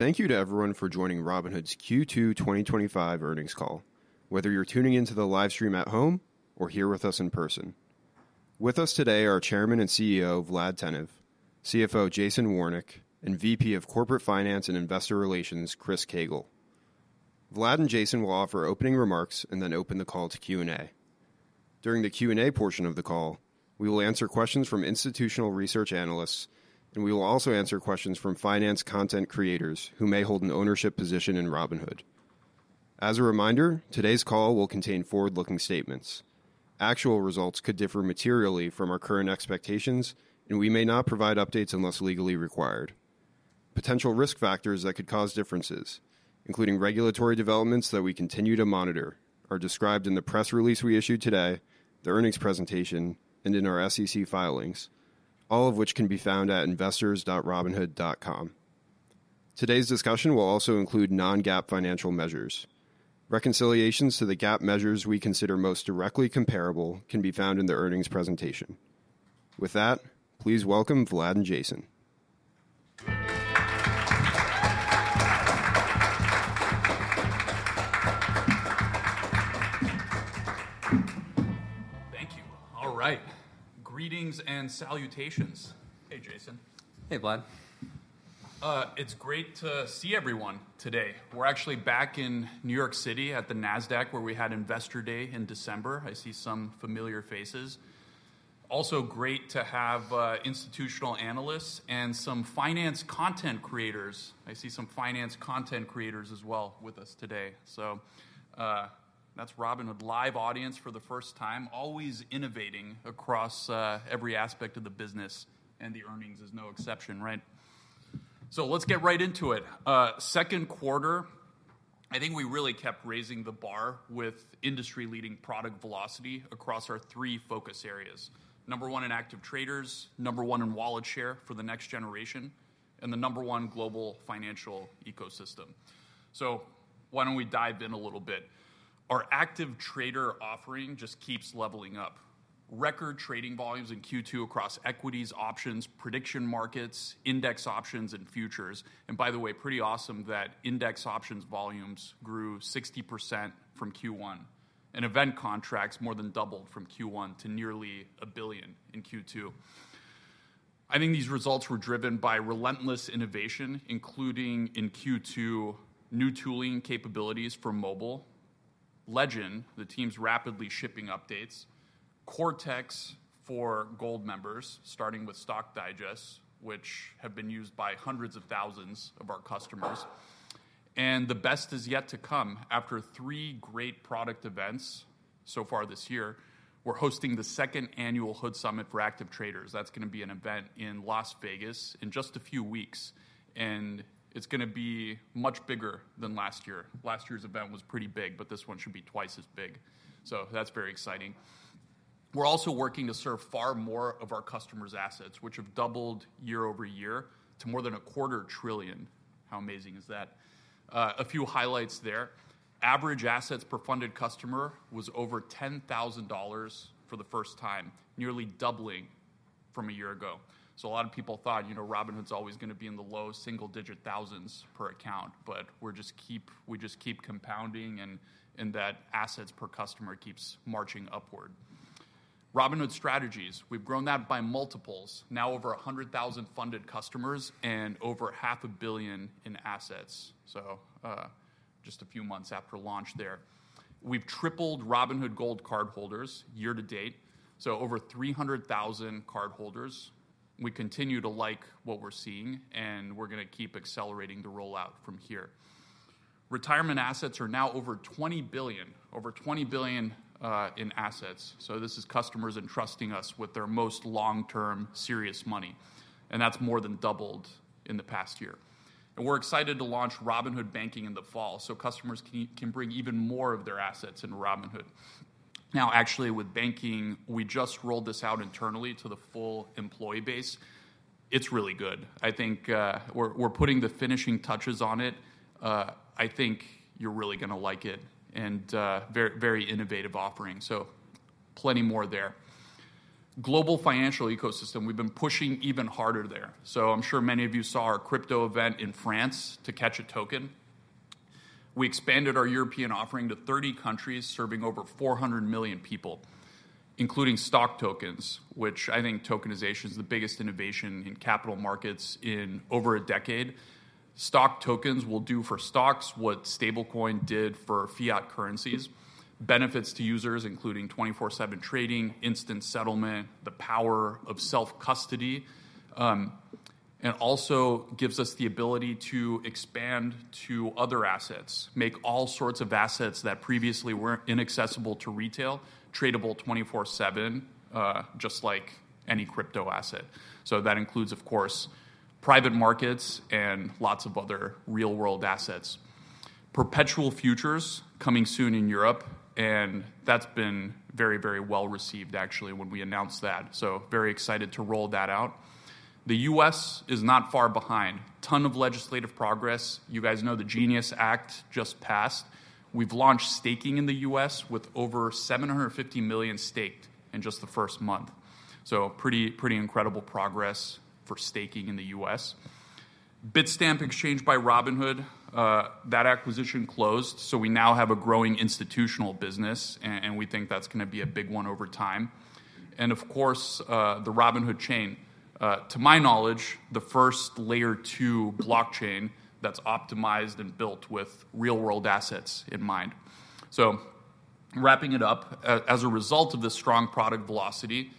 Thank you to everyone for joining Robinhood's Q2 2025 Earnings Call. Whether you're tuning into the live stream at home or here with us in person, with us today are Chairman and CEO Vlad Tenev, CFO Jason Warnick, and VP of Corporate Finance and Investor Relations Chris Cagle. Vlad and Jason will offer opening remarks and then open the call to Q&A. During the Q&A portion of the call, we will answer questions from institutional research analysts and we will also answer questions from finance content creators who may hold an ownership position in Robinhood. As a reminder, today's call will contain forward-looking statements. Actual results could differ materially from our current expectations and we may not provide updates unless legally required. Potential risk factors that could cause differences, including regulatory developments that we continue to monitor, are described in the press release we issued today, the earnings presentation and in our SEC filings, all of which can be found at investors.robinhood.com. Today's discussion will also include non-GAAP financial measures. Reconciliations to the GAAP measures we consider most directly comparable can be found in the earnings presentation. With that, please welcome Vlad and Jason. Thank you. All right, greetings and salutations. Hey Jason. Hey, Vlad. It's great to see everyone today. We're actually back in New York City at the NASDAQ where we had Investor Day in December. I see some familiar faces, also great to have institutional analysts and some finance content creators. I see some finance content creators as well with us today. That's Robinhood with live audience for the first time. Always innovating across every aspect of the business and the earnings is no exception. Right, let's get right into it. Second quarter, I think we really kept raising the bar with industry-leading product velocity across our three focus areas. Number one in active traders, number one in wallet share for the next generation, and the number one global financial ecosystem. Why don't we dive in a little bit? Our active trader offering just keeps leveling up. Record trading volumes in Q2 across equities, options, prediction markets, index options, and futures. By the way, pretty awesome that index options volumes grew 60% from Q1 and event contracts more than doubled from Q1 to nearly a billion in Q2. I think these results were driven by relentless innovation, including in Q2 new tooling capabilities for mobile Legend, the team's rapidly shipping updates, Cortex for Gold members, starting with Stock Digests which have been used by hundreds of thousands of our customers. The best is yet to come. After three great product events so far this year, we're hosting the second annual HOOD Summit for active traders. That's going to be an event in Las Vegas in just a few weeks, and it's going to be much bigger than last year. Last year's event was pretty big, but this one should be twice as big. That's very exciting. We're also working to serve far more of our customers. Assets which have doubled year-over-year to more than a quarter trillion. How amazing is that? A few highlights there. Average assets per funded customer was over $10,000 for the first time, nearly doubling from a year ago. A lot of people thought, you know, Robinhood's always going to be in the low single-digit thousands per account. We just keep compounding and that assets per customer keeps marching upward. Robinhood Strategies, we've grown that by multiples, now over 100,000 funded customers and over $500 million in assets. Just a few months after launch there, we've tripled Robinhood Gold cardholders year to date. Over 300,000 cardholders. We continue to like what we're seeing and we're going to keep accelerating the rollout from here. Retirement assets are now over $20 billion. Over $20 billion in assets. This is customers entrusting us with their most long-term serious money and that's more than doubled in the past year. We're excited to launch Robinhood Banking in the fall so customers can bring even more of their assets into Robinhood now. Actually with banking, we just rolled this out internally to the full employee base. It's really good. I think we're putting the finishing touches on it. I think you're really going to like it. Very, very innovative offering. Plenty more there. Global financial ecosystem, we've been pushing even harder there. I'm sure many of you saw our crypto event in France. To Catch a Token, we expanded our European offering to 30 countries serving over 400 million people. Including stock tokens, which I think tokenization is the biggest innovation in capital markets in over a decade. Stock tokens will do for stocks what stablecoin did for fiat currencies. Benefits to users including 24/7 trading, instant settlement, the power of self-custody and also gives us the ability to expand to other assets. Make all sorts of assets that previously weren't accessible to retail. Tradable 24/7, just like any crypto asset. That includes of course private markets and lots of other real world assets. Perpetual futures coming soon in Europe and that's been very, very well received actually when we announced that, very excited to roll that out. The U.S. is not far behind. Ton of legislative progress. You guys know the GENIUS Act just passed. We've launched staking in the U.S. with over $750 million staked in just the first month. Pretty, pretty incredible progress for staking in the U.S. Bitstamp exchange by Robinhood. That acquisition closed, so we now have a growing institutional business and we think that's going to be a big one over time. Of course the Robinhood Chain, to my knowledge, the first layer 2 blockchain that's optimized and built with real world assets in mind. Wrapping it up, as a result of this strong product velocity,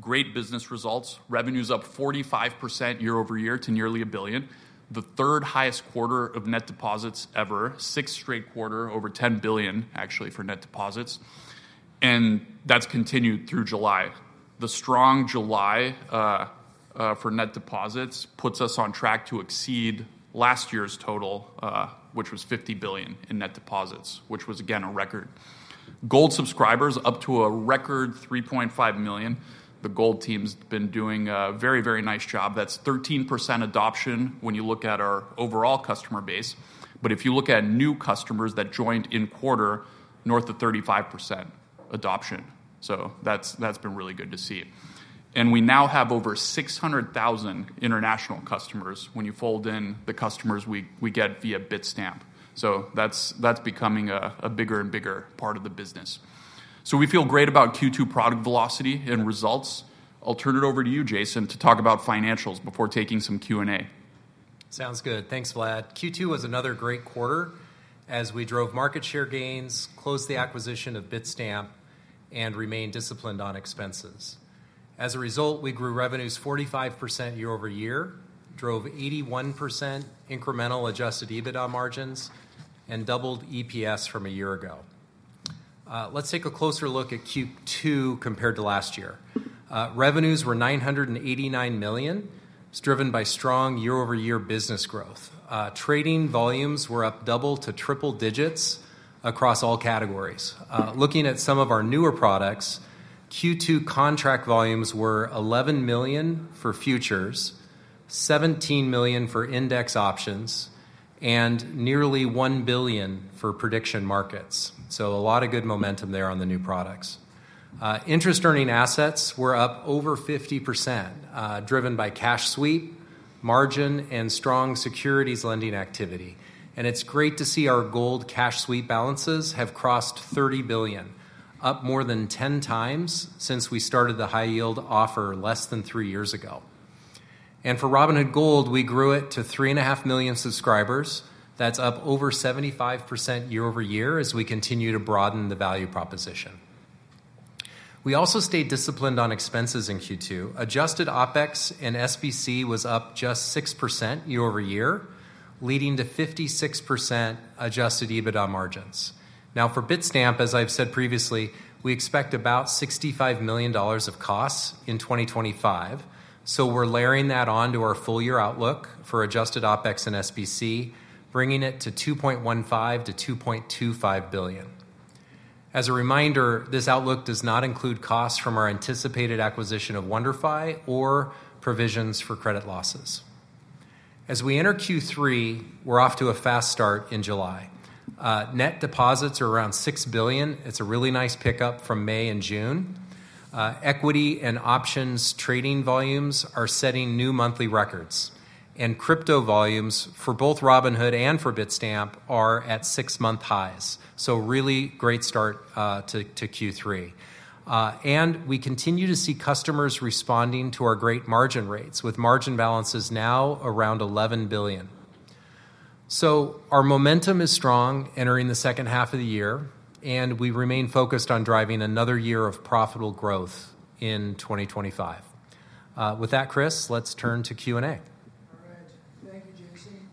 great business results. Revenues up 45% year-over-year to nearly $1 billion. The third highest quarter of net deposits ever. Sixth straight quarter. Over $10 billion actually for net deposits. That's continued through July. The strong July for net deposits puts us on track to exceed last year's total, which was $50 billion in net deposits, which was again a record. Gold subscribers up to a record 3.5 million. The Gold team's been doing a very, very nice job. That's 13% adoption when you look at our overall customer base. If you look at new customers that joined in quarter, north of 35% adoption. That's been really good to see. We now have over 600,000 international customers. When you fold in the customers we get via Bitstamp, that's becoming a bigger and bigger part of the business. We feel great about Q2 product velocity and results. I'll turn it over to you, Jason, to talk about financials before taking some Q&A. Sounds good. Thanks, Vlad. Q2 was another great quarter as we drove market share gains, closed the acquisition of Bitstamp and remained disciplined on expenses. As a result, we grew revenues 45% year-over-year, drove 81% incremental Adjusted EBITDA margins and doubled EPS from a year ago. Let's take a closer look at Q2. Compared to last year, revenues were $989 million, driven by strong year-over-year business growth. Trading volumes were up double to triple digits across all categories. Looking at some of our newer products, Q2 contract volumes were 11 million for futures, 17 million for index options and nearly 1 billion for Prediction Markets. So a lot of good momentum there. On the new products, interest earning assets were up over 50% driven by cash sweep, margin and strong securities lending activity. And it's great to see our Gold cash suite balances have crossed $30 billion, up more than 10 times since we started the high yield offer less than three years ago and for Robinhood Gold, we grew it to 3.5 million subscribers. That's up over 75% year-over-year as we continue to broaden the value proposition. We also stayed disciplined on expenses in Q2. Adjusted OpEx and SBC was up just 6% year-over-year, leading to 56% Adjusted EBITDA margins. Now for Bitstamp, as I've said previously, we expect about $65 million of costs in 2025, so we're layering that on to our full year outlook for adjusted OpEx and SBC, bringing it to $2.15 billion-$2.25 billion. As a reminder, this outlook does not include costs from our anticipated acquisition of WonderFi or provisions for credit losses. As we enter Q3, we're off to a fast start in July. Net deposits are around $6 billion. It's a really nice pickup from May and June. Equity and options trading volumes are setting new monthly records and crypto volumes for both Robinhood and for Bitstamp are at six month highs. Really great start to Q3 and we continue to see customers responding to our great margin rates with margin balances now around $11 billion. Our momentum is strong entering the second half of the year and we remain focused on driving another year of profitable growth in 2025. With that, Chris, let's turn to Q and A. Thank you, Jason,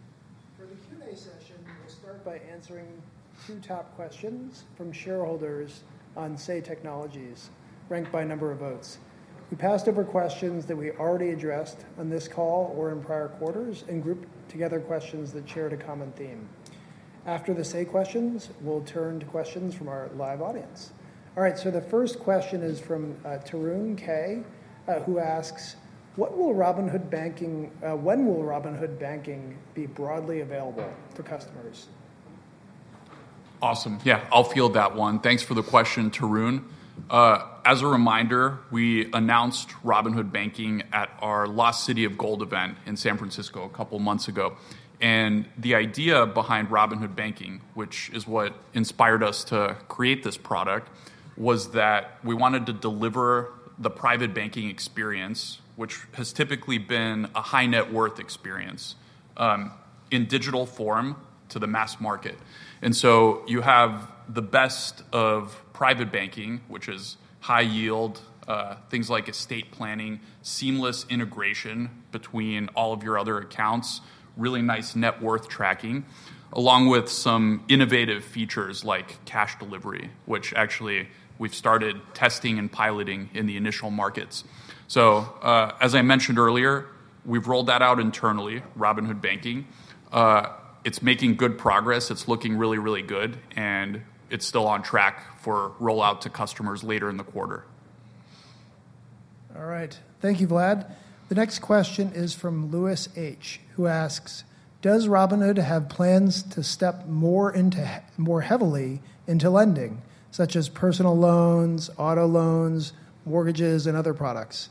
for the Q&A session. We'll start by answering two top questions from shareholders on SEI Technologies, ranked by number of votes. We passed over questions that we already addressed on this call or in prior quarters and grouped together questions that shared a common theme. After the say questions, we'll turn to questions from our live audience. All right, so the first question is from Tarun K, who asks. When will. Robinhood Banking be broadly available to customers? Awesome. Yeah, I'll field that one. Thanks for the question, Tarun. As a reminder, we announced Robinhood Banking at our Lost City of Gold event in San Francisco a couple months ago. The idea behind Robinhood Banking, which is what inspired us to create this product, was that we wanted to deliver the private banking experience, which has typically been a high net worth experience in digital form to the mass market. You have the best of private banking, which is high yield things like estate planning, seamless integration between all of your other accounts, really nice net worth tracking, along with some innovative features like cash delivery, which actually we've started testing and piloting in the initial markets. As I mentioned earlier, we've rolled that out internally. Robinhood Banking, it's making good progress. It's looking really, really good. It's still on track for rollout to customers later in the quarter. All right, thank you, Vlad. The next question is from Louis H. who asks, does Robinhood have plans to step more heavily into lending, such as personal loans, auto loans, mortgages and other products?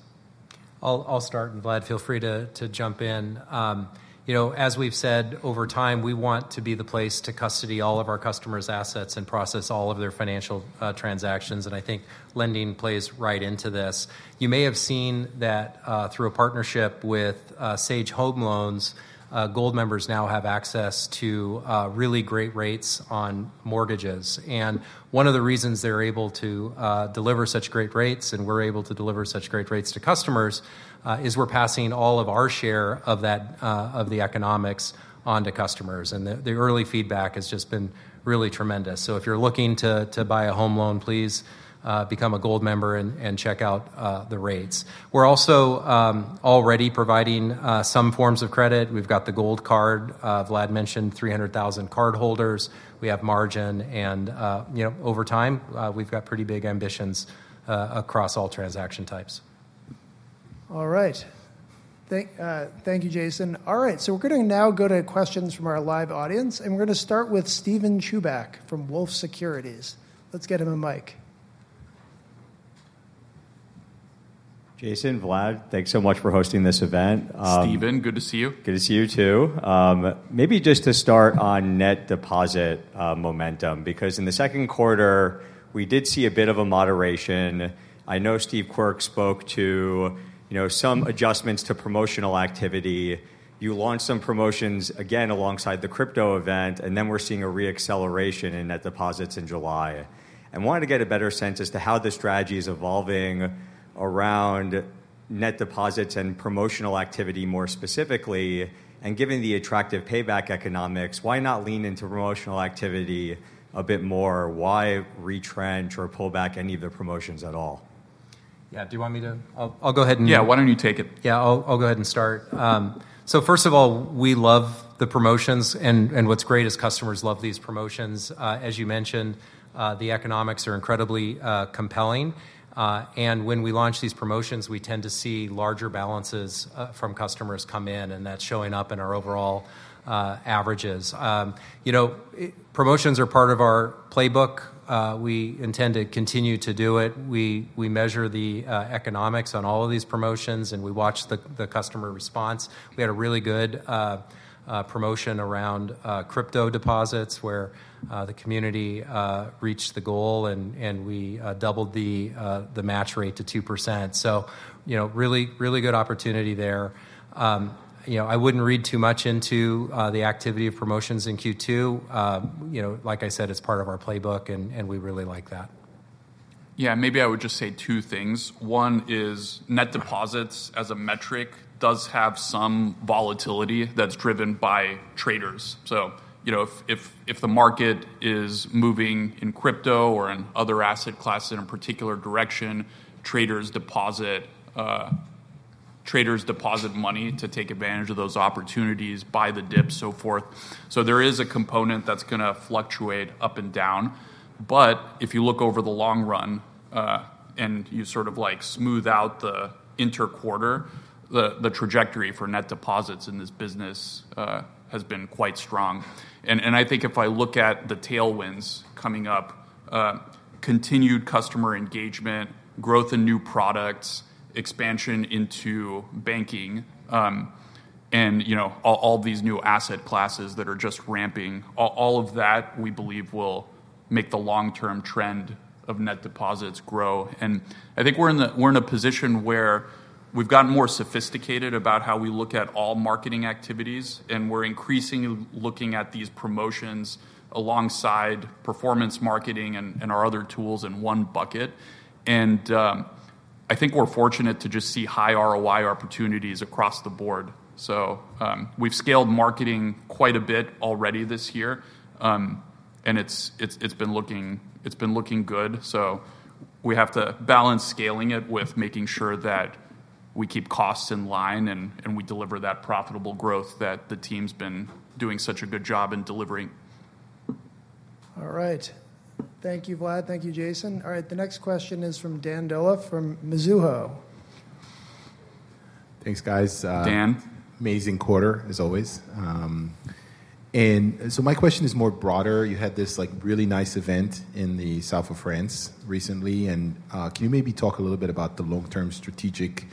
I'll start and Vlad, feel free to jump in. You know, as we've said over time, we want to be the place to custody all of our customers' assets and process all of their financial transactions. I think lending plays right into this. You may have seen that through a partnership with Sage Home Loans, Gold members now have access to really great rates on mortgages. One of the reasons they're able to deliver such great rates and we're able to deliver such great rates to customers is we're passing all of our share of the economics on to customers. The early feedback has just been really tremendous. If you're looking to buy a home loan, please become a Gold member and check out the rates. We're also already providing some forms of credit. We've got the Gold Card Vlad mentioned, 300,000 cardholders. We have margin and over time, we've got pretty big ambitions across all transaction types. All right, thank you, Jason. All right, so we're going to now go to questions from our live audience and we're going to start with Steven Chubak from Wolfe Securities. Let's get him a mic. Jason. Vlad, thanks so much for hosting this event. Stephen, good to see you. Good to see you, too. Maybe just to start on net deposit momentum, because in the second quarter we did see a bit of a moderation. I know Steve Quirk spoke to some adjustments to promotional activity. You launched some promotions again alongside the crypto event. We are seeing a reacceleration in net deposits in July and wanted to get a better sense as to how the strategy is evolving around net deposits and promotional activity more specifically. Given the attractive payback economics, why not lean into promotional activity a bit more? Why retrench or pull back any of the promotions at all? Yeah, do you want me to? I'll go ahead and. Yeah, why don't you take it? Yeah, I'll go ahead and start. First of all, we love the promotions and what's great is customers love these promotions. As you mentioned, the economics are incredibly compelling. When we launch these promotions, we tend to see larger balances from customers come in and that's showing up in our overall averages. You know, promotions are part of our playbook. We intend to continue to do it. We measure the economics on all of these promotions and we watch the customer response. We had a really good promotion around crypto deposits where the community reached the goal and we doubled the match rate to 2%. You know, really, really good opportunity there. I wouldn't read too much into the activity of promotions in Q2. Like I said, it's part of our playbook and we really like that. Yeah, maybe I would just say two things. One is net deposits as a metric does have some volatility that's driven by traders. You know, if the market is moving in crypto or in other asset class in a particular direction, traders deposit money to take advantage of those opportunities, buy the dip, so forth. There is a component that's going to fluctuate up and down. If you look over the long run and you sort of like smooth out the inter quarter, the trajectory for net deposits in this business has been quite strong. I think if I look at the tailwinds coming up, continued customer engagement, growth in new products, expansion into banking and all these new asset classes that are just ramping, all of that we believe will make the long term trend of net deposits grow. I think we're in a position where we've gotten more sophisticated about how we look at all marketing activities and we're increasingly looking at these promotions alongside performance marketing and our other tools in one bucket. I think we're fortunate to just see high ROI opportunities across the board. We've scaled marketing quite a bit already this year and it's been looking good. We have to balance scaling it with making sure that we keep costs in line and we deliver that profitable growth that the team's been doing such a good job in delivering. All right, thank you, Vlad. Thank you, Jason. All right, the next question is from Dan Dolev from Mizuho. Thanks guys. Dan, amazing quarter as always. My question is more broader. You had this like really nice event in the south of France recently. Can you maybe talk a little bit about the long term strategic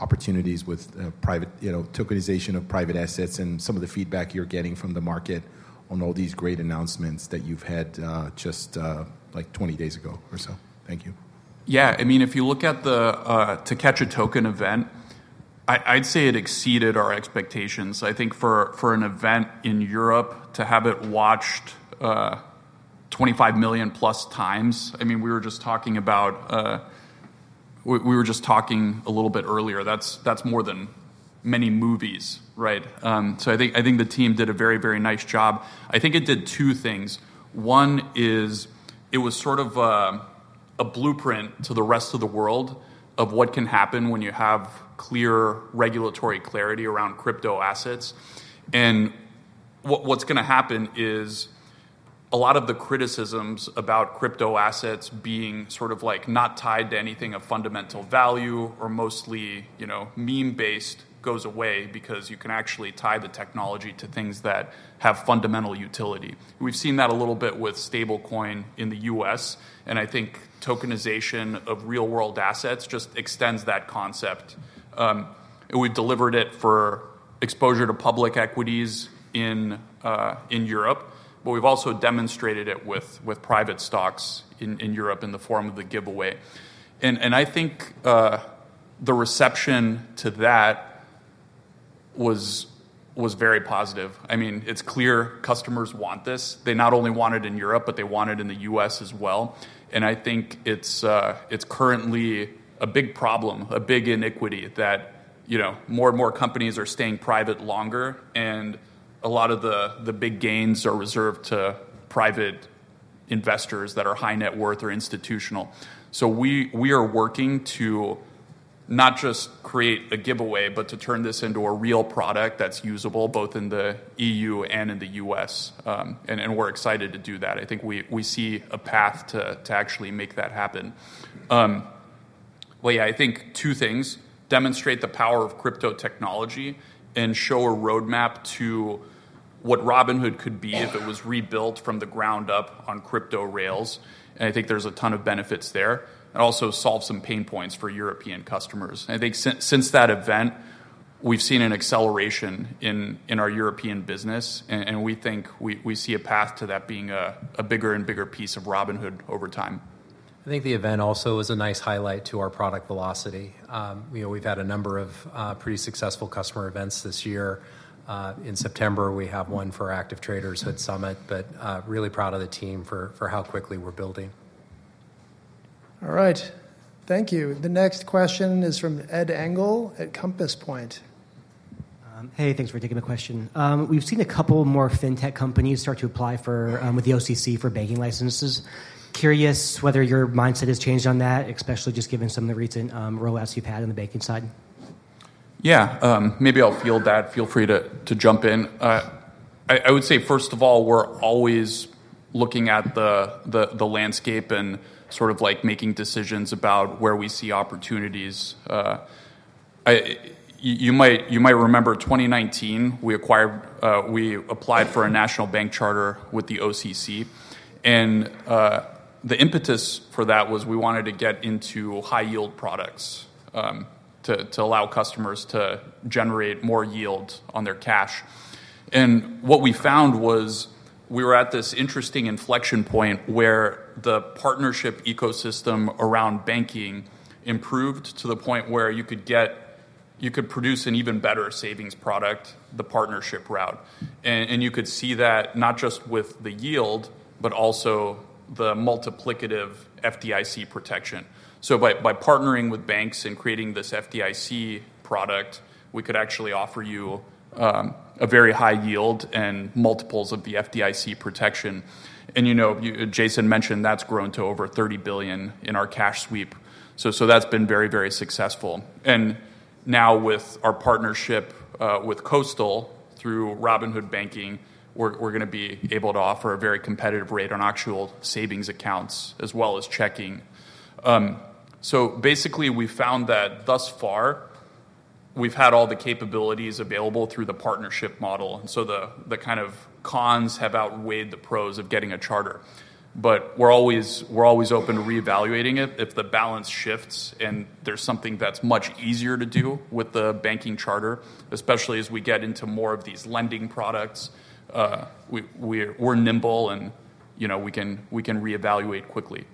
opportunities with? Private, you know, tokenization of private assets and some of the feedback you're getting. From the market on all these great. Announcements that you've had just like 20 days ago or so. Thank you. Yeah, I mean if you look at the To Catch a Token event, I'd say it exceeded our expectations. I think for an event in Europe to have it watched 25 million-plus times, I mean, we were just talking about, we were just talking a little bit earlier, that's more than many movies, right. I think the team did a very, very nice job. I think it did two things. One is it was sort of a blueprint to the rest of the world of what can happen when you have clear regulatory clarity around crypto assets. What's going to happen is a lot of the criticisms about crypto assets being sort of like not tied to anything of fundamental value or mostly, you know, meme based, goes away because you can actually tie the technology to things that have fundamental utility. We've seen that a little bit with stablecoin in the U.S., and I think tokenization of real world assets just extends that concept. We delivered it for exposure to public equities in Europe, but we've also demonstrated it with private stocks in Europe in the form of the giveaway. I think the reception to that was very positive. I mean, it's clear customers want this. They not only want it in Europe, but they want it in the U.S. as well. I think it's currently a big problem, a big iniquity that more and more companies are staying private longer, and a lot of the big gains are reserved to private investors that are high net worth or institutional. We are working to not just create a giveaway, but to turn this into a real product that's usable both in the EU and in the U.S., and we're excited to do that. I think we see a path to actually make that happen. I think two things demonstrate the power of crypto technology and show a roadmap to what Robinhood could be if it was rebuilt from the ground up on crypto rails. I think there's a ton of benefits there and also solve some pain points for European customers. I think since that event, we've seen an acceleration in our European business and we think we see a path to that being a bigger and bigger piece of Robinhood over time. I think the event also is a nice highlight to our product velocity. We've had a number of pretty successful customer events this year. In September, we have one for active traders at HOOD Summit, but really proud of the team for how quickly we're building. All right, thank you. The next question is from Ed Engel at Compass Point. Hey, thanks for taking the question. We've seen a couple more fintech companies start to apply with the OCC for banking licenses. Curious whether your mindset has changed on that, especially just given some of the recent rollouts you've had on the banking side. Yeah, maybe I'll field that. Feel free to jump in. I would say first of all, we're always looking at the landscape and sort of like making decisions about where we see opportunities. You might remember 2019, we applied for a national bank charter with the OCC. And the impetus for that was we wanted to get into high yield products to allow customers to generate more yield on their cash. What we found was we were at this interesting inflection point where the partnership ecosystem around banking improved to the point where you could get, you could produce an even better savings product, the partnership route. You could see that not just with the yield, but also the multiplicative FDIC protection. By partnering with banks and creating this FDIC product, we could actually offer you a very high yield and multiples of the FDIC protection. You know, Jason mentioned that's grown to over $30 billion in our cash sweep, so that's been very, very successful. Now with our partnership with Coastal through Robinhood Banking, we're going to be able to offer a very competitive rate on actual savings accounts as well as checking. Basically we found that thus far we've had all the capabilities available through the partnership model. The kind of cons have outweighed the pros of getting a charter. We're always open to reevaluating it if the balance shifts. There's something that's much easier to do with the banking charter, especially as we get into more of these lending products. We're nimble and, you know, we can reevaluate quickly.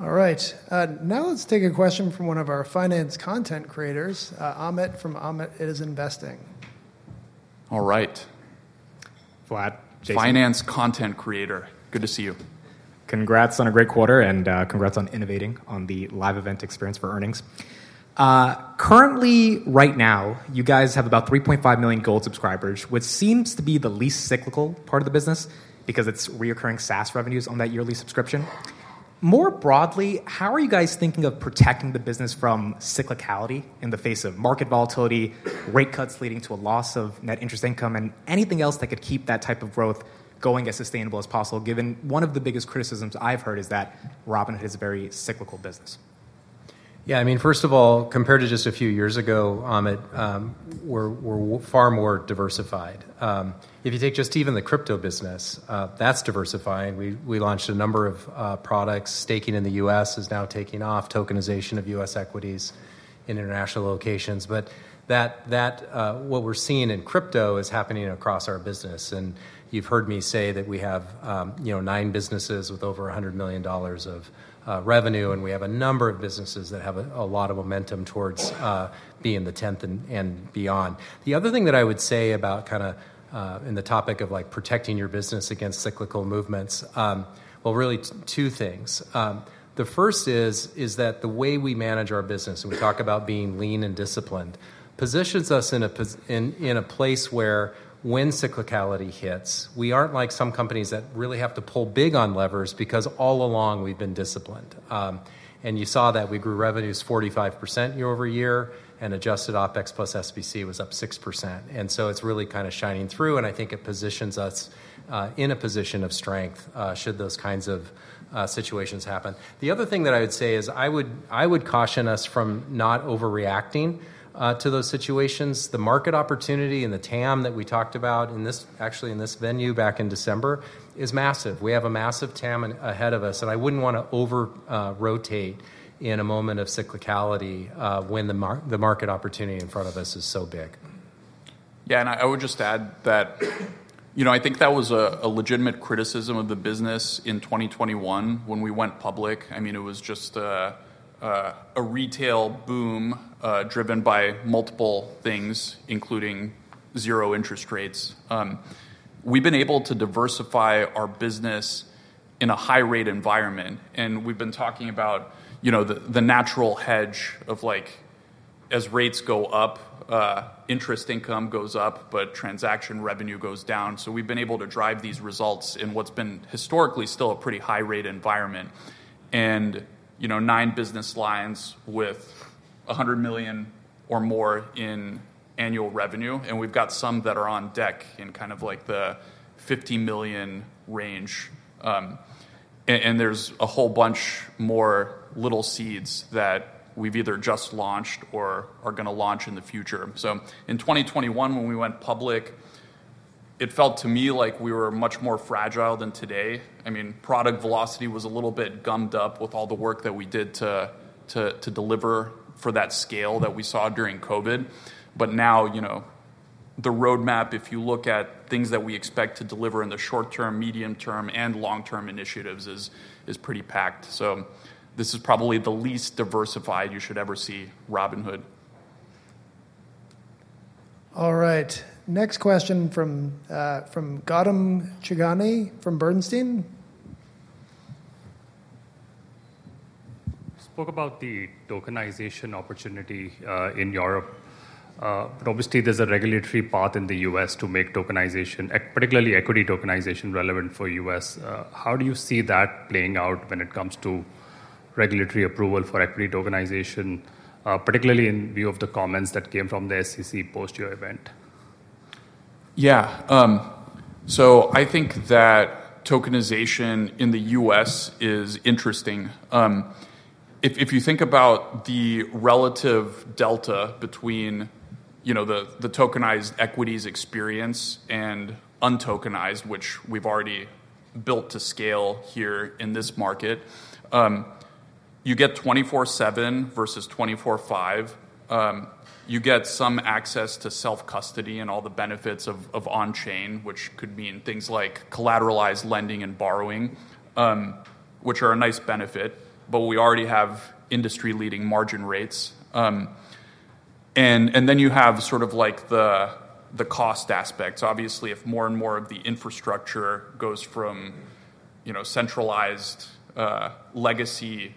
All right, now let's take a question from one of our finance content creators, Amit from Amit is Investing. All right, Vlad, Jason, finance content creator, good to see you. Congrats on a great quarter and congrats on innovating on the live event experience for earnings. Currently, right now you guys have about. 3.5 million Gold subscribers, which seems to. Be the least cyclical part of the. Business because it's recurring SaaS revenues on that yearly subscription. More broadly, how are you guys thinking? Of protecting the business from cyclicality in. The face of market volatility, rate cuts leading to a loss of net interest income and anything else that could keep. That type of growth going as sustainable. As possible, given one of the biggest. Criticisms I've heard is that Robinhood is a very cyclical business. Yeah. I mean, first of all, compared to just a few years ago, Amit, we're far more diversified. If you take just even the crypto business, that's diversifying. We launched a number of products. Staking in the U.S. is now taking off, tokenization of U.S. equities in international locations. What we're seeing in crypto is happening across our business. You've heard me say that we have nine businesses with over $100 million of revenue, and we have a number of businesses that have a lot of momentum towards being the 10th and beyond. The other thing that I would say about, kind of in the topic of protecting your business against cyclical movements, really two things. The first is that the way we manage our business, and we talk about being lean and disciplined, positions us in a place where when cyclicality hits, we aren't like some companies that really have to pull big on levers, because all along we've been disciplined. You saw that we grew revenues 45% year-over-year, and adjusted OpEx plus SBC was up 6%. It's really kind of shining through, and I think it positions us in a position of strength should those kinds of situations happen. The other thing that I would say is I would caution us from not overreacting to those situations. The market opportunity and the TAM that we talked about actually in this venue back in December is massive. We have a massive TAM ahead of us, and I wouldn't want to over rotate in a moment of cyclicality when the market opportunity in front of us is so big. Yeah, and I would just add that, you know, I think that was a legitimate criticism of the business in 2021 when we went public. I mean, it was just a retail boom driven by multiple things including zero interest rates. We've been able to diversify our business in a high rate environment. We've been talking about, you know, the natural hedge of like as rates go up, interest income goes up, but transaction revenue goes down. We've been able to drive these results in what's been historically still a pretty high rate environment. You know, nine business lines with $100 million or more in annual revenue and we've got some that are on deck in kind of like the $50 million range and there's a whole bunch more little seeds that we've either just launched or are going to launch in the future. In 2021 when we went public, it felt to me like we were much more fragile than today. I mean, product velocity was a little bit gummed up with all the work that we did to deliver for that scale that we saw during COVID. Now, you know, the roadmap, if you look at things that we expect to deliver in the short term, medium term and long term initiatives, is pretty packed. This is probably the least diversified you should ever see Robinhood. All right, next question from Gautam Chhugani from Bernstein. Spoke about the tokenization opportunity in Europe. Obviously there's a regulatory path in the U.S. to make tokenization, particularly equity tokenization, relevant for us. How do you see that playing out when it comes to regulatory approval for equity tokenization? Particularly in view of the comments that came from the SEC post your event. Yeah, so I think that tokenization in the U.S. is interesting if you think about the relative delta between the tokenized equities experience and untokenized, which we've already built to scale here in this market. You get 24/7 versus 24/5. You get some access to self-custody and all the benefits of on-chain, which could mean things like collateralized lending and borrowing, which are a nice benefit. We already have industry-leading margin rates, and then you have sort of like the cost aspects. Obviously, if more and more of the infrastructure goes from, you know, centralized legacy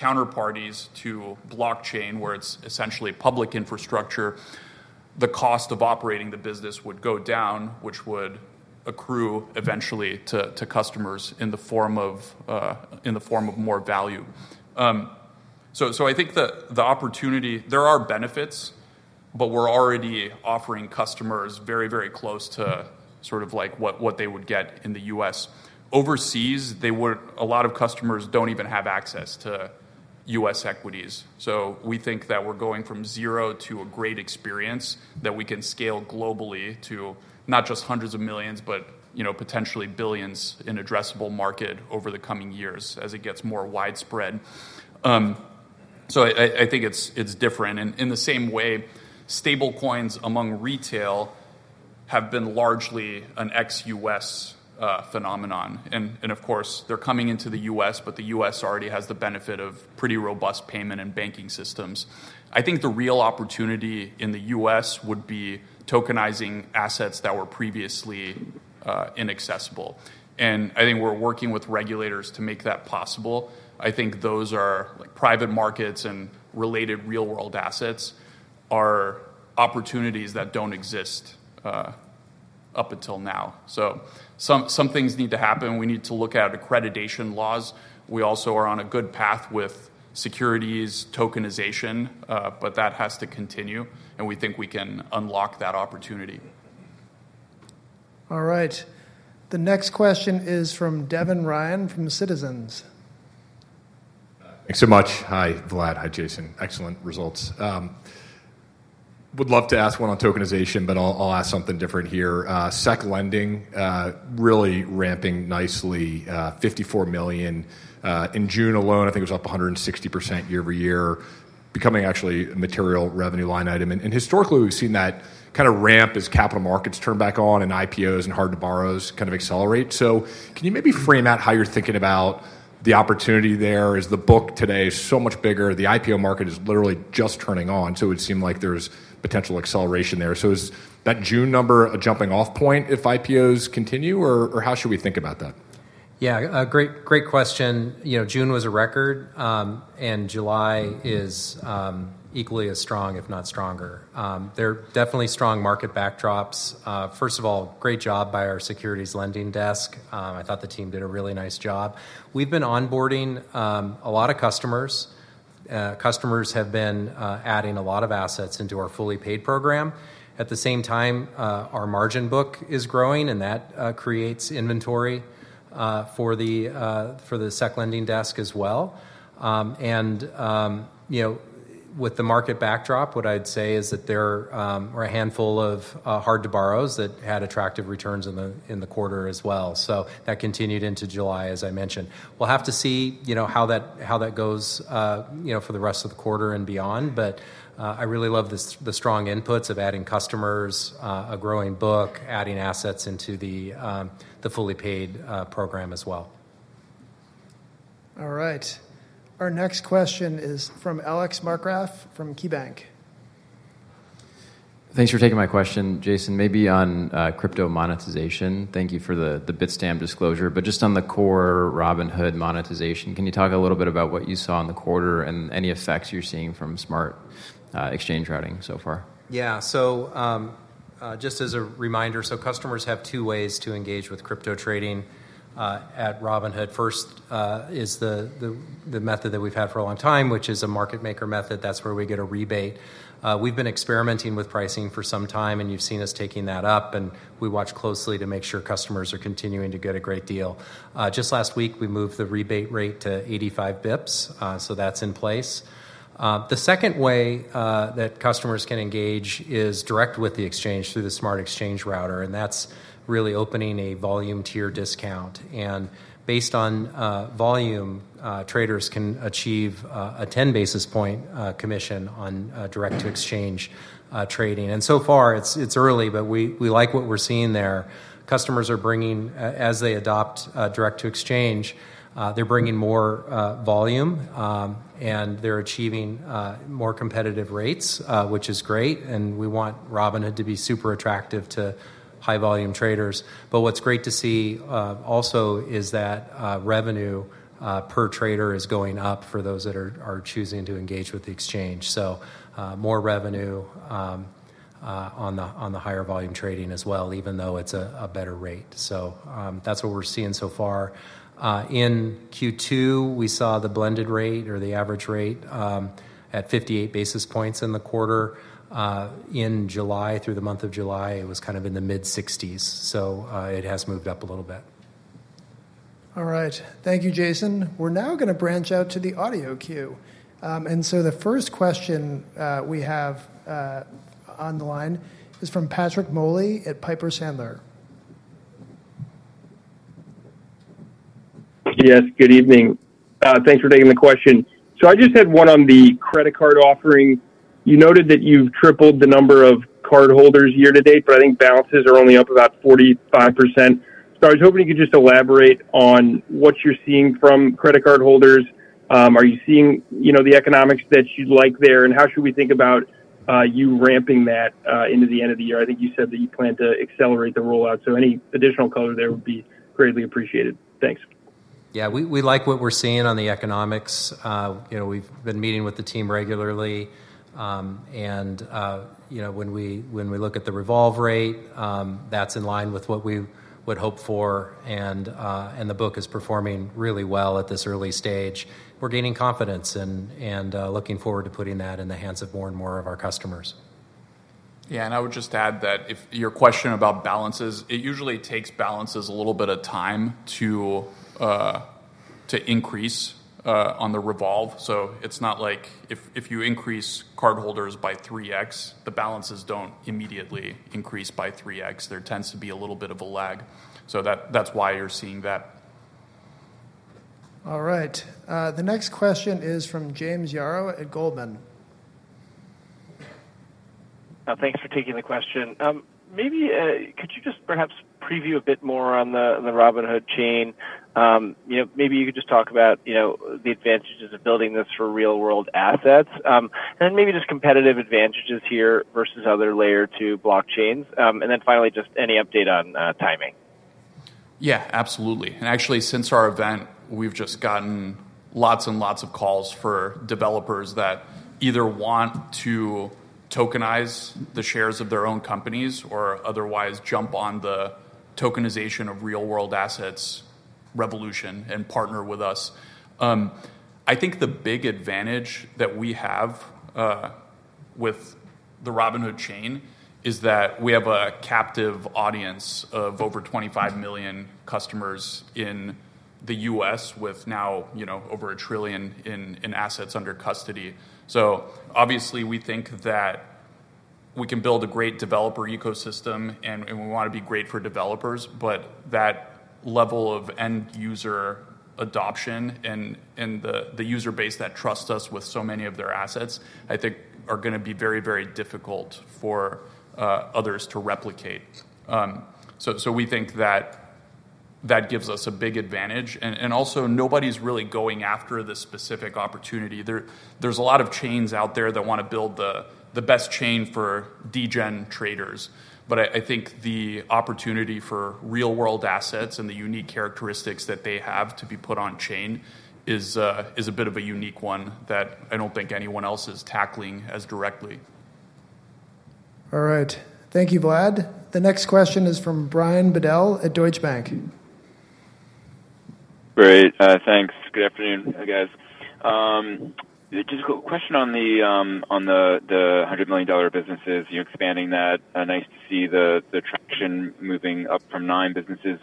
counterparties to blockchain where it's essentially public infrastructure, the cost of operating the business would go down, which would accrue eventually to customers in the form of more value. I think the opportunity, there are benefits, but we're already offering customers very, very close to sort of like what they would get in the U.S. Overseas, a lot of customers don't even have access to U.S. equities. We think that we're going from zero to a great experience that we can scale globally to not just hundreds of millions but potentially billions in addressable market over the coming years as it gets more widespread. I think it's different in the same way. Stablecoins among retailers have been largely an ex-U.S. phenomenon, and of course they're coming into the U.S., but the U.S. already has the benefit of pretty robust payment and banking systems. I think the real opportunity in the U.S. would be tokenizing assets that were previously inaccessible, and I think we're working with regulators to make that possible. I think those are private markets and related real world assets are opportunities that don't exist up until now. Some things need to happen. We need to look at accreditation laws. We also are on a good path with securities tokenization, but that has to continue, and we think we can unlock that opportunity. All right, the next question is from Devin Ryan from Citizens. Thanks so much. Hi, Vlad. Hi, Jason. Excellent results. Would love to ask one on tokenization. I'll ask something different here. SEC lending really ramping nicely. $54 million in June alone, I think it was up 160% year-over-year, becoming actually a material revenue line item. Historically we've seen that kind of ramp as capital markets turn back on and IPOs and hard to borrows kind of accelerate. Can you maybe frame out how you're thinking about the opportunity there? Is the book today so much bigger? The IPO market is literally just turning on, it would seem like there's potential acceleration there. Is that June number a jumping off point if IPOs continue or how should we think about that? Yeah, great, great question. You know, June was a record and July is equally as strong, if not stronger. There are definitely strong market backdrops. First of all, great job by our securities lending desk. I thought the team did a really nice job. We've been onboarding a lot of customers. Customers have been adding a lot of assets into our fully paid program. At the same time, our margin book is growing and that creates inventory for the securities lending desk as well. You know, with the market backdrop, what I'd say is that there were a handful of hard to borrows that had attractive returns in the quarter as well. That continued into July as I mentioned. We'll have to see how that goes, you know, for the rest of the quarter and beyond. I really love the strong inputs of adding customers. A growing book, adding assets into the fully paid program as well. All right, our next question is from Alex Markgraff from KeyBank. Thanks for taking my question, Jason. Maybe on crypto monetization, thank you for the Bitstamp disclosure. But just on the core Robinhood monetization. Can you talk a little bit about what you saw in the quarter and any effects you're seeing from smart exchange routing so far? Yeah. So just as a reminder. So customers have two ways to engage with crypto trading at Robinhood. First is the method that we've had for a long time, which is a market maker method. That's where we get a rebate. We've been experimenting with pricing for some time and you've seen us taking that up. And we watch closely to make sure customers are continuing to get a great deal. Just last week we moved the rebate rate to 85 basis points. So that's in place. The second way that customers can engage is direct with the exchange through the smart exchange router. And that's really opening a volume tier discount. And based on volume, traders can achieve a 10 basis point commission on direct to exchange trading. And so far it's early, but we like what we're seeing there. Customers are bringing, as they adopt direct to exchange, they're bringing more volume and they're achieving more competitive rates, which is great and we want Robinhood to be super attractive to high volume traders. But what's great to see also is that revenue per trader is going up for those that are choosing to engage with the exchange. So more revenue on the higher volume trading as well, even though it's a better rate. So that's what we're seeing so far. In Q2 we saw the blended rate or the average rate at 58 basis points in the quarter in July through the month of July. It was kind of in the mid-60s, so it has moved up a little bit. All right, thank you, Jason. We are now going to branch out to the audio cue. The first question we have on the line is from Patrick Moley at Piper Sandler. Yes, good evening. Thanks for taking the question. I just had one. On the credit card offering, you noted that you've tripled the number of cardholders year to date, but I think balances are only up about 45%. I was hoping you could just elaborate on what you're seeing from credit card holders. Are you seeing, you know, the economics that you'd like there and how should we think about you ramping that into the end of the year? I think you said that you plan to accelerate the rollout, so any additional color there would be greatly appreciated. Thanks. Yeah, we like what we're seeing on the economics. You know, we've been meeting with the team regularly and, you know, when we look at the revolve rate, that's in line with what we would hope for. The book is performing really well at this early stage. We're gaining confidence and looking forward to putting that in the hands of more and more of our customers. Yeah. I would just add that if your question about balances, it usually takes balances a little bit of time to increase on the revolve. It is not like if you increase cardholders by 3x, the balances do not immediately increase by 3x, there tends to be a little bit of a lag. That is why you are seeing that. All right, the next question is from James Yaro at Goldman. Thanks for taking the question. Maybe could you just perhaps preview a bit more on the Robinhood Chain? Maybe you could just talk about the advantages of building this for real world assets and then maybe just competitive advantages here versus other layer 2 blockchain, and then finally just any update on timing? Yeah, absolutely. Actually, since our event, we've just gotten lots and lots of calls for developers that either want to tokenize shares of their own companies or otherwise jump on the tokenization of real world assets revolution and partner with us. I think the big advantage that we have with the Robinhood Chain is that we have a captive audience of over 25 million customers in the U.S. with now, you know, over $1 trillion in assets under custody. Obviously, we think that we can build a great developer ecosystem and we want to be great for developers. That level of end user adoption and the user base that trusts us with so many of their assets I think are going to be very, very difficult for others to replicate. We think that that gives us a big advantage. Also, nobody's really going after this specific opportunity. There are a lot of chains out there that want to build the best chain for degen traders. I think the opportunity for real world assets and the unique characteristics that they have to be put on chain is a bit of a unique one that I don't think anyone else is tackling as directly. All right, thank you, Vlad. The next question is from Brian Bedell at Deutsche Bank. Great, thanks. Good afternoon guys. Just a question on the $100 million businesses. You're expanding that. Nice to see the traction moving up from nine businesses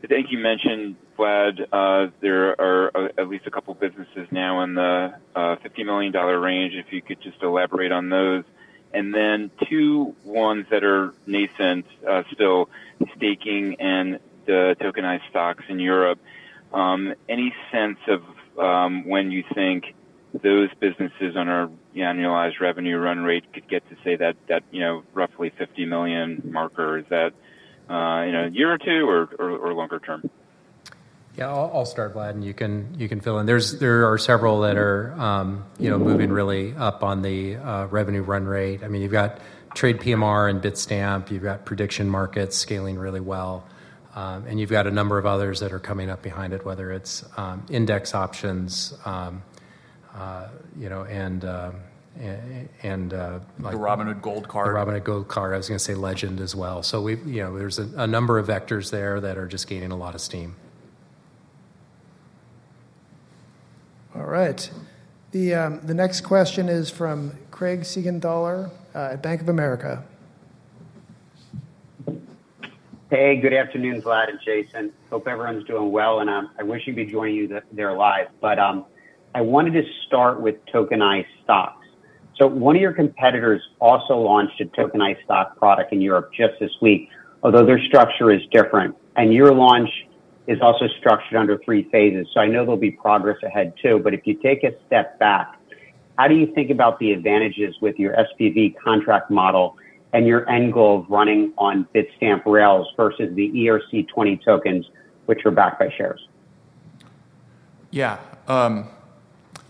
I think you mentioned, Vlad. There are at least a couple businesses now in the $50 million range. If you could just elaborate on those. And then two ones that are nascent, still staking and the tokenized stocks in Europe. Any sense of when you think those businesses on our annualized revenue run rate could get to say that roughly $50 million marker? Is that a year or two or longer term? Yeah, I'll start, Vlad, and you can fill in. There are several that are moving really up on the revenue run rate. I mean you've got TradePMR and Bitstamp, you've got prediction markets scaling really well, and you've got a number of others that are coming up behind it, whether it's index options, you know, and. Like the Robinhood Gold Card. The Robinhood Gold Card. I was going to say Legend as well. So we've, you know, there's a number of vectors there that are just gaining a lot of steam. All right, the next question is from Craig Siegenthaler at Bank of America. Hey, good afternoon, Vlad and Jason. Hope everyone's doing well and I wish I'd be joining you there live. I wanted to start with tokenized stocks. One of your competitors also launched a tokenized stock product in Europe just this week, although their structure is different. Your launch is also structured under three phases. I know there'll be progress ahead too. If you take a step back, how do you think about the advantages with your SPV contract model and your end goal of running on Bitstamp rails versus the ERC-20 tokens which are backed by shares? Yeah,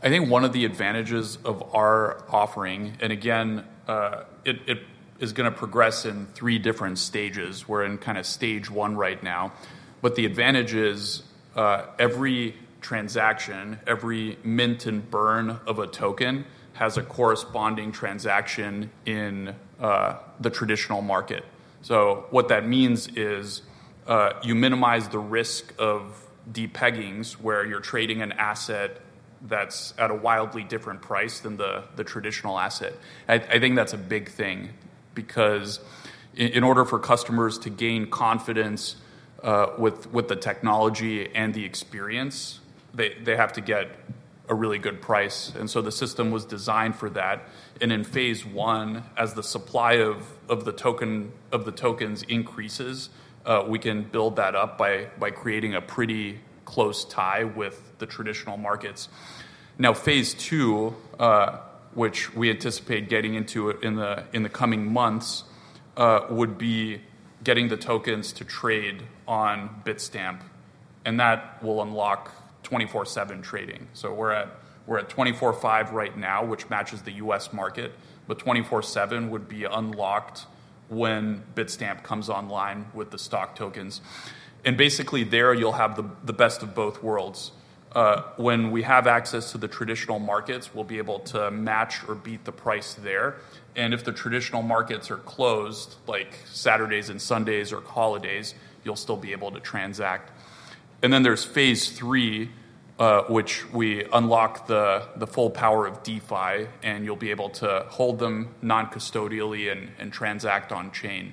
I think one of the advantages of our offering, and again, it is going to progress in three different stages. We're in kind of stage one right now. What the advantage is, every transaction, every mint and burn of a token has a corresponding transaction in the traditional market. What that means is you minimize the risk of depeggings where you're trading an asset that's at a wildly different price than the traditional asset. I think that's a big thing because in order for customers to gain confidence with the technology and the experience, they have to get a really good price. The system was designed for that. In phase one, as the supply of the tokens increases, we can build that up by creating a pretty close tie with the traditional markets. Now, phase two, which we anticipate getting into in the coming months, would be getting the tokens to trade on Bitstamp, and that will unlock 24/7 trading. We're at 24/5 right now, which matches the U.S. market, but 24/7 would be unlocked when Bitstamp comes online with the stock tokens. Basically, there you'll have the best of both worlds. When we have access to the traditional markets, we'll be able to match or beat the price there. If the traditional markets are closed, like Saturdays and Sundays or holidays, you'll still be able to transact. Then there's phase three, which we unlock the full power of defi, and you'll be able to hold them non-custodially and transact on chain.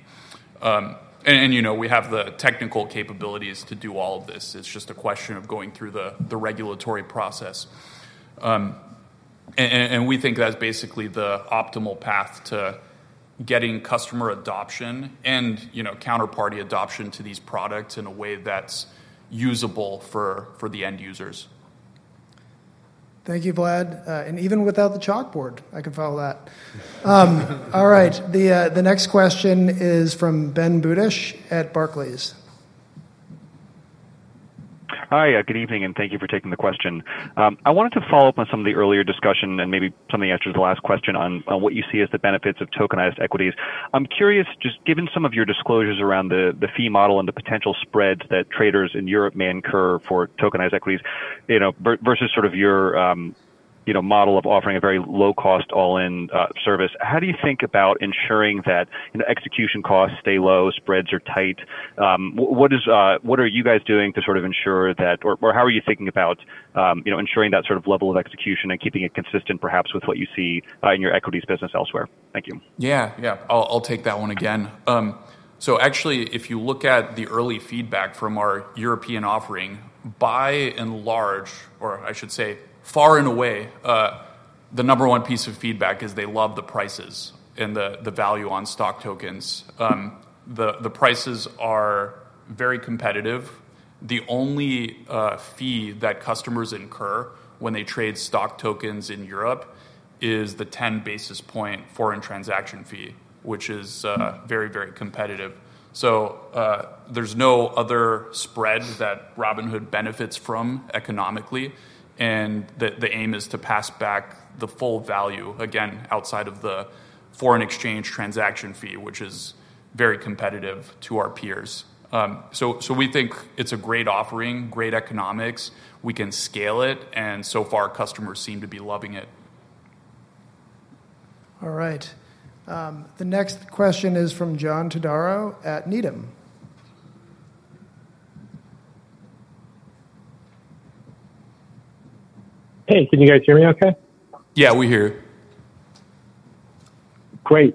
You know, we have the technical capabilities to do all of this. It's just a question of going through the regulatory process. We think that's basically the optimal path to getting customer adoption and counterparty adoption to these products in a way that's usable for the end users. Thank you, Vlad. Even without the chalkboard, I can follow that. All right, the next question is from Ben Budish at Barclays. Hi, good evening and thank you for taking the question. I wanted to follow up on some of the earlier discussion and maybe something answered the last question on what you see as the benefits of tokenized equities. I'm curious, just given some of your disclosures around the fee model and the potential spreads that traders in Europe may incur for tokenized equities versus your model of offering a very low cost all-in service, how do you think about ensuring that execution costs stay low, spreads are tight? What are you guys doing to ensure that? How are you thinking about ensuring that sort of level of execution and keeping it consistent perhaps with what you see in your equities business elsewhere? Thank you. Yeah, I'll take that one again. Actually, if you look at the early feedback from our European offering, by and large, or I should say far and away, the number one piece of feedback is they love the prices and the value on stock tokens. The prices are very competitive. The only fee that customers incur when they trade stock tokens in Europe is the 10 basis point foreign transaction fee, which is very, very competitive. There's no other spread that Robinhood benefits from economically. The aim is to pass back the full value again outside of the foreign exchange transaction fee, which is very competitive to our peers. We think it's a great offering, great economics, we can scale it, and so far, customers seem to be loving it. All right, the next question is from John Todaro at Needham. Hey, can you guys hear me okay? Yeah, we heard. Great.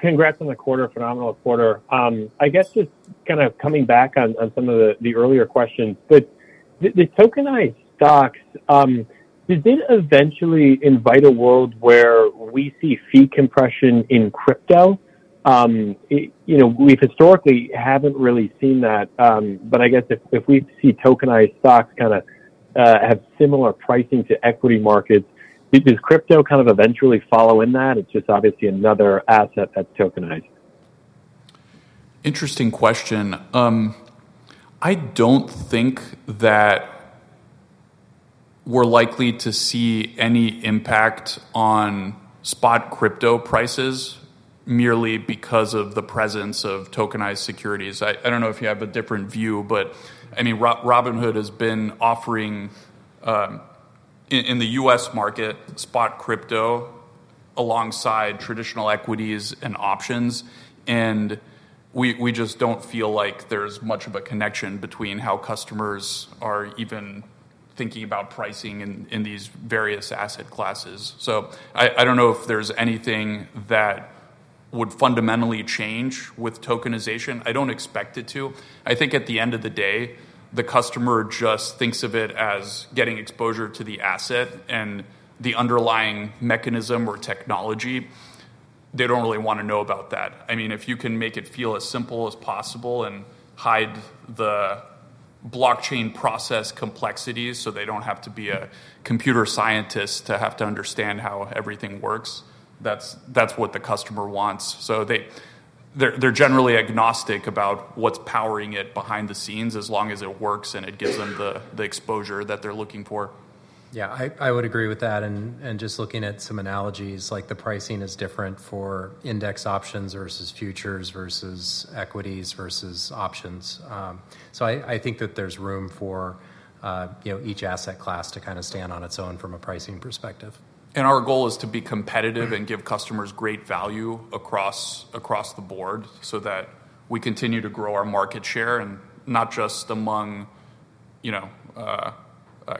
Congrats on the quarter. Phenomenal quarter. I guess just kind of coming back on some of the earlier questions. The tokenized stocks, did it eventually invite a world where we see fee compression in crypto? We historically have not really seen that, but I guess if we see tokenized stocks kind of have similar pricing to equity markets, does crypto kind of eventually follow in that? It is just obviously another asset that is tokenized? Interesting question. I don't think that we're likely to see any impact on spot crypto prices merely because of the presence of tokenized securities. I don't know if you have a different view, but I mean, Robinhood has been offering in the U.S. market spot crypto alongside traditional equities and options, and we just don't feel like there's much of a connection between how customers are even thinking about pricing in these various asset classes. I don't know if there's anything that would fundamentally change with tokenization. I don't expect it to. I think at the end of the day, the customer just thinks of it as getting exposure to the asset and the underlying mechanism or technology. They don't really want to know about that. I mean, if you can make it feel as simple as possible and hide the blockchain process complexities so they don't have to be a computer scientist to have to understand how everything works. That's what the customer wants. They're generally agnostic about what's powering it behind the scenes as long as it works and it gives them the exposure that they're looking for. Yeah, I would agree with that. Just looking at some analogies, the pricing is different for index options versus futures versus equities versus options. I think that there's room for each asset class to kind of stand on its own from a pricing perspective. Our goal is to be competitive and give customers great value across the board so that we continue to grow our market share and not just among, you know,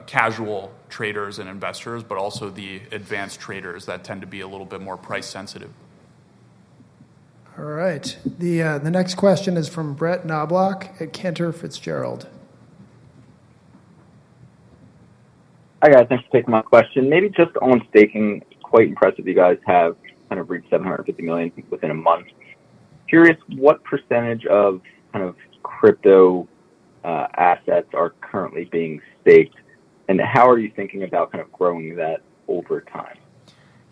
casual traders and investors, but also the advanced traders that tend to be a little bit more price sensitive. All right. The next question is from Brett Knoblauch at Cantor Fitzgerald. Hi, guys. Thanks for taking my question. Maybe just on staking, quite impressive, you guys have kind of reached $750 million within a month. Curious what percentage of kind of crypto assets are currently being staked and how are you thinking about kind of growing that over time?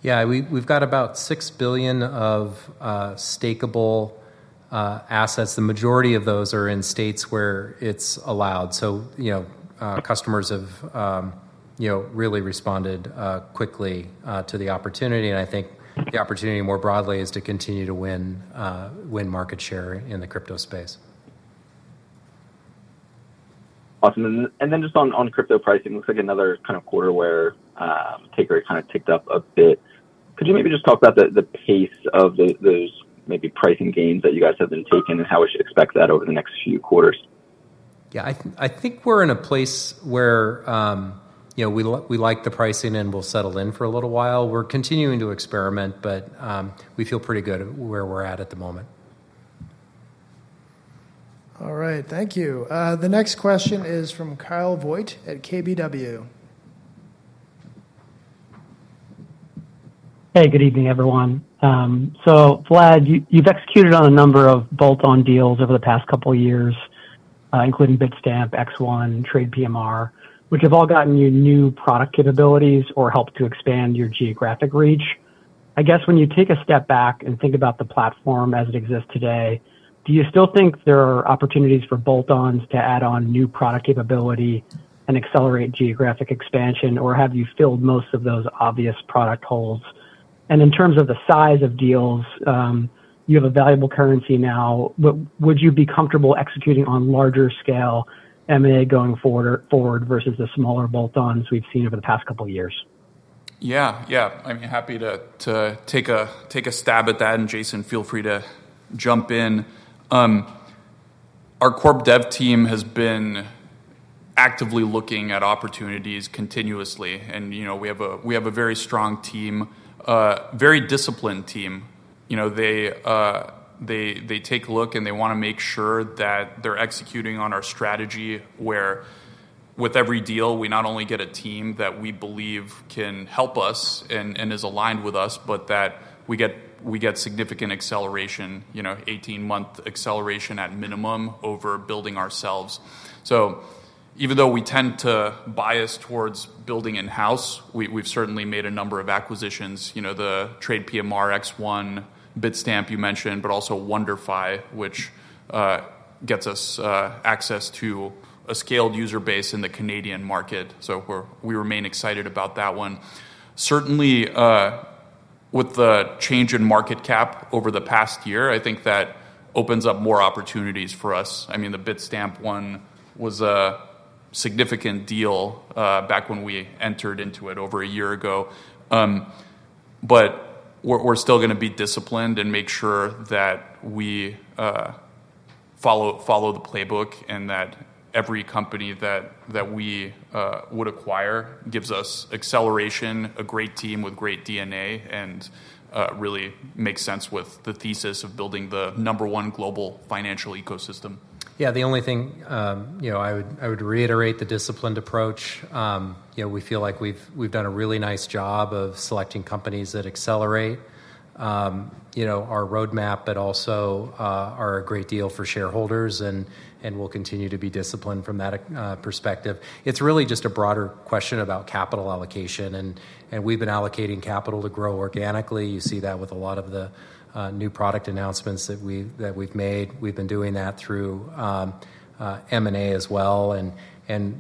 Yeah, we've got about $6 billion of stakeable assets. The majority of those are in states where it's allowed. So, you know, customers have, you know, really responded quickly to the opportunity. And I think the opportunity more broadly is to continue to win. Win market share in the crypto space. Just on crypto pricing, looks like another kind of quarter where take rate kind of ticked up a bit. Could you maybe just talk about the pace of those maybe pricing gains that you guys have been taking and how we should expect that over the next few quarters? Yeah, I think we're in a place where we like the pricing and we'll settle in for a little while. We're continuing to experiment, but we feel pretty good where we're at at the moment. All right, thank you. The next question is from Kyle Voigt at KBW. Hey, good evening, everyone. Vlad, you've executed on a number of bolt-on deals over the past couple years, including Bitstamp, X1, TradePMR, which have all gotten you new product capabilities or helped to expand your geographic reach. I guess when you take a step back and think about the platform as it exists today, do you still think there are opportunities for bolt-ons to add on new product capability and accelerate geographic expansion, or have you filled most of those obvious product holes? In terms of the size of deals, you have a valuable currency now. Would you be comfortable executing on larger-scale M&A going forward versus the smaller bolt-ons we've seen over the past couple years? Yeah, yeah, I'm happy to take a stab at that. Jason, feel free to jump in. Our corp dev team has been actively looking at opportunities continuously and we have a very strong team, very disciplined team. You know, they take a look and they want to make sure that they're executing on our strategy where with every deal we not only get a team that we believe can help us and is aligned with us, but that we get significant acceleration, you know, 18 month acceleration at minimum over building ourselves. Even though we tend to bias towards building in house, we've certainly made a number of acquisitions, you know, the TradePMR, X1, Bitstamp you mentioned, but also WonderFi, which gets us access to a scaled user base in the Canadian market. We remain excited about that one. Certainly with the change in market cap over the past year, I think that opens up more opportunities for us. I mean, the Bitstamp one was a significant deal back when we entered into it over a year ago, but we're still going to be disciplined and make sure that we follow the playbook and that every company that we would acquire gives us acceleration, a great team with great DNA, and really makes sense with the thesis of building the number one global financial ecosystem. Yeah, the only thing, you know, I would reiterate the disciplined approach. You know, we feel like we've done a really nice job of selecting companies that accelerate, you know, our roadmap, but also are a great deal for shareholders and we'll continue to be disciplined from that perspective. It's really just a broader question about capital allocation and we've been allocating capital to grow organically. You see that with a lot of the new product announcements that we've made, we've been doing that through M&A as well.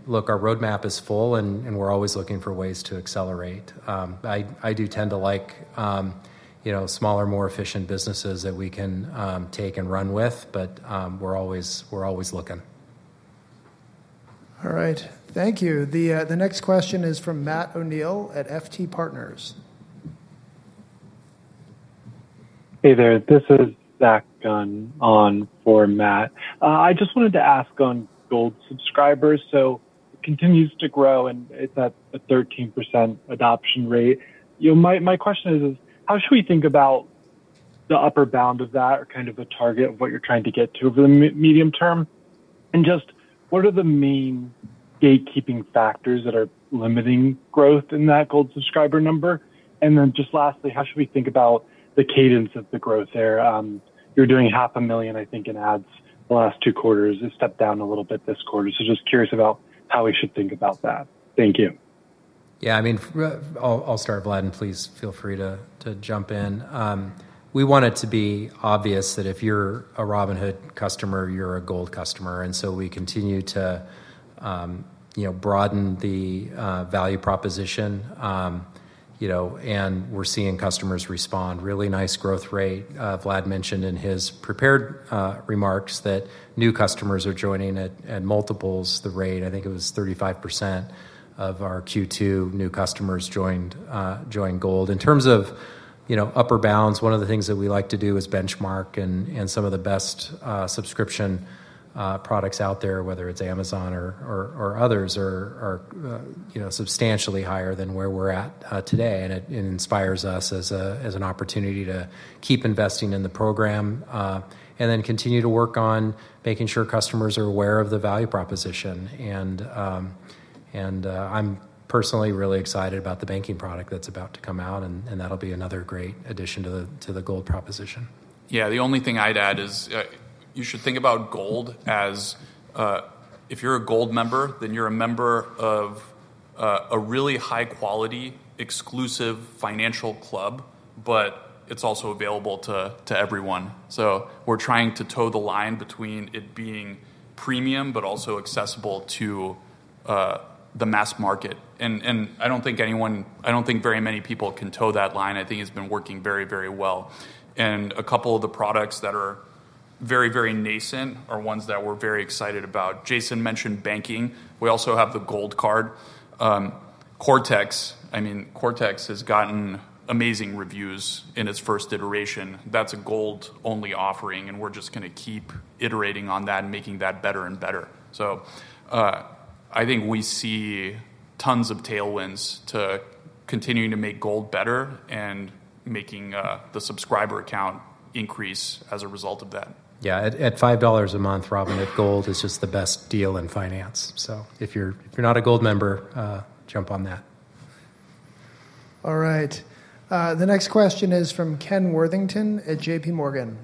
Look, our roadmap is full and we're always looking for ways to accelerate. I do tend to like, you know, smaller, more efficient businesses that we can take and run with. We're always looking. All right, thank you. The next question is from Matt O'Neill at FT Partners. Hey there. This is Zach Gunn on format. I just wanted to ask on Gold subscribers. So continues to grow and it's at a 13% adoption rate. You know, my question is how should we think about the upper bound of that or kind of a target of what you're trying to get to for the medium term? And just what are the main gatekeeping factors that are limiting growth in that Gold subscriber number? And then just lastly, how should we think about the cadence of the growth there? You're doing $500 million, I think in ads the last two quarters. It stepped down a little bit this quarter. Just curious about how we should think about that. Thank you. Yeah, I mean, I'll start, Vlad, and please feel free to jump in. We want it to be obvious that if you're a Robinhood customer, you're a Gold customer. And so we continue to, you know, broaden the value proposition, you know, and we're seeing customers respond really nice growth rate. Vlad mentioned in his prepared remarks that new customers are joining at multiples. The rate I think it was, 35% of our Q2 new customers joined. Joined Gold. In terms of, you know, upper bounds, one of the things that we like to do is benchmark. And some of the best subscription products out there, whether it's Amazon or others, are substantially higher than where we're at today. And it inspires us as an opportunity to keep investing in the program and then continue to work on making sure customers are aware of the value proposition. I'm personally really excited about the banking product that's about to come out. That'll be another great addition to the Gold proposition. Yeah, the only thing I'd add is you should think about Gold as if you're a Gold member, then you're a member of a really high quality, exclusive financial club. It is also available to everyone. We are trying to toe the line between it being premium but also accessible to the mass market. I do not think anyone, I do not think very many people can toe that line. I think it has been working very, very well. A couple of the products that are very, very nascent are ones that we are very excited about. Jason mentioned banking. We also have the Gold Card, Cortex. I mean, Cortex has gotten amazing reviews in its first iteration. That is a Gold only offering and we are just going to keep iterating on that and making that better and better. I think we see tons of tailwinds to continuing to make Gold better and making the subscriber account increase as a result of that. Yeah. At $5 a month, Robinhood Gold is just the best deal in finance. If you're not a Gold member, jump on that. All right, the next question is from Ken Worthington at JPMorgan.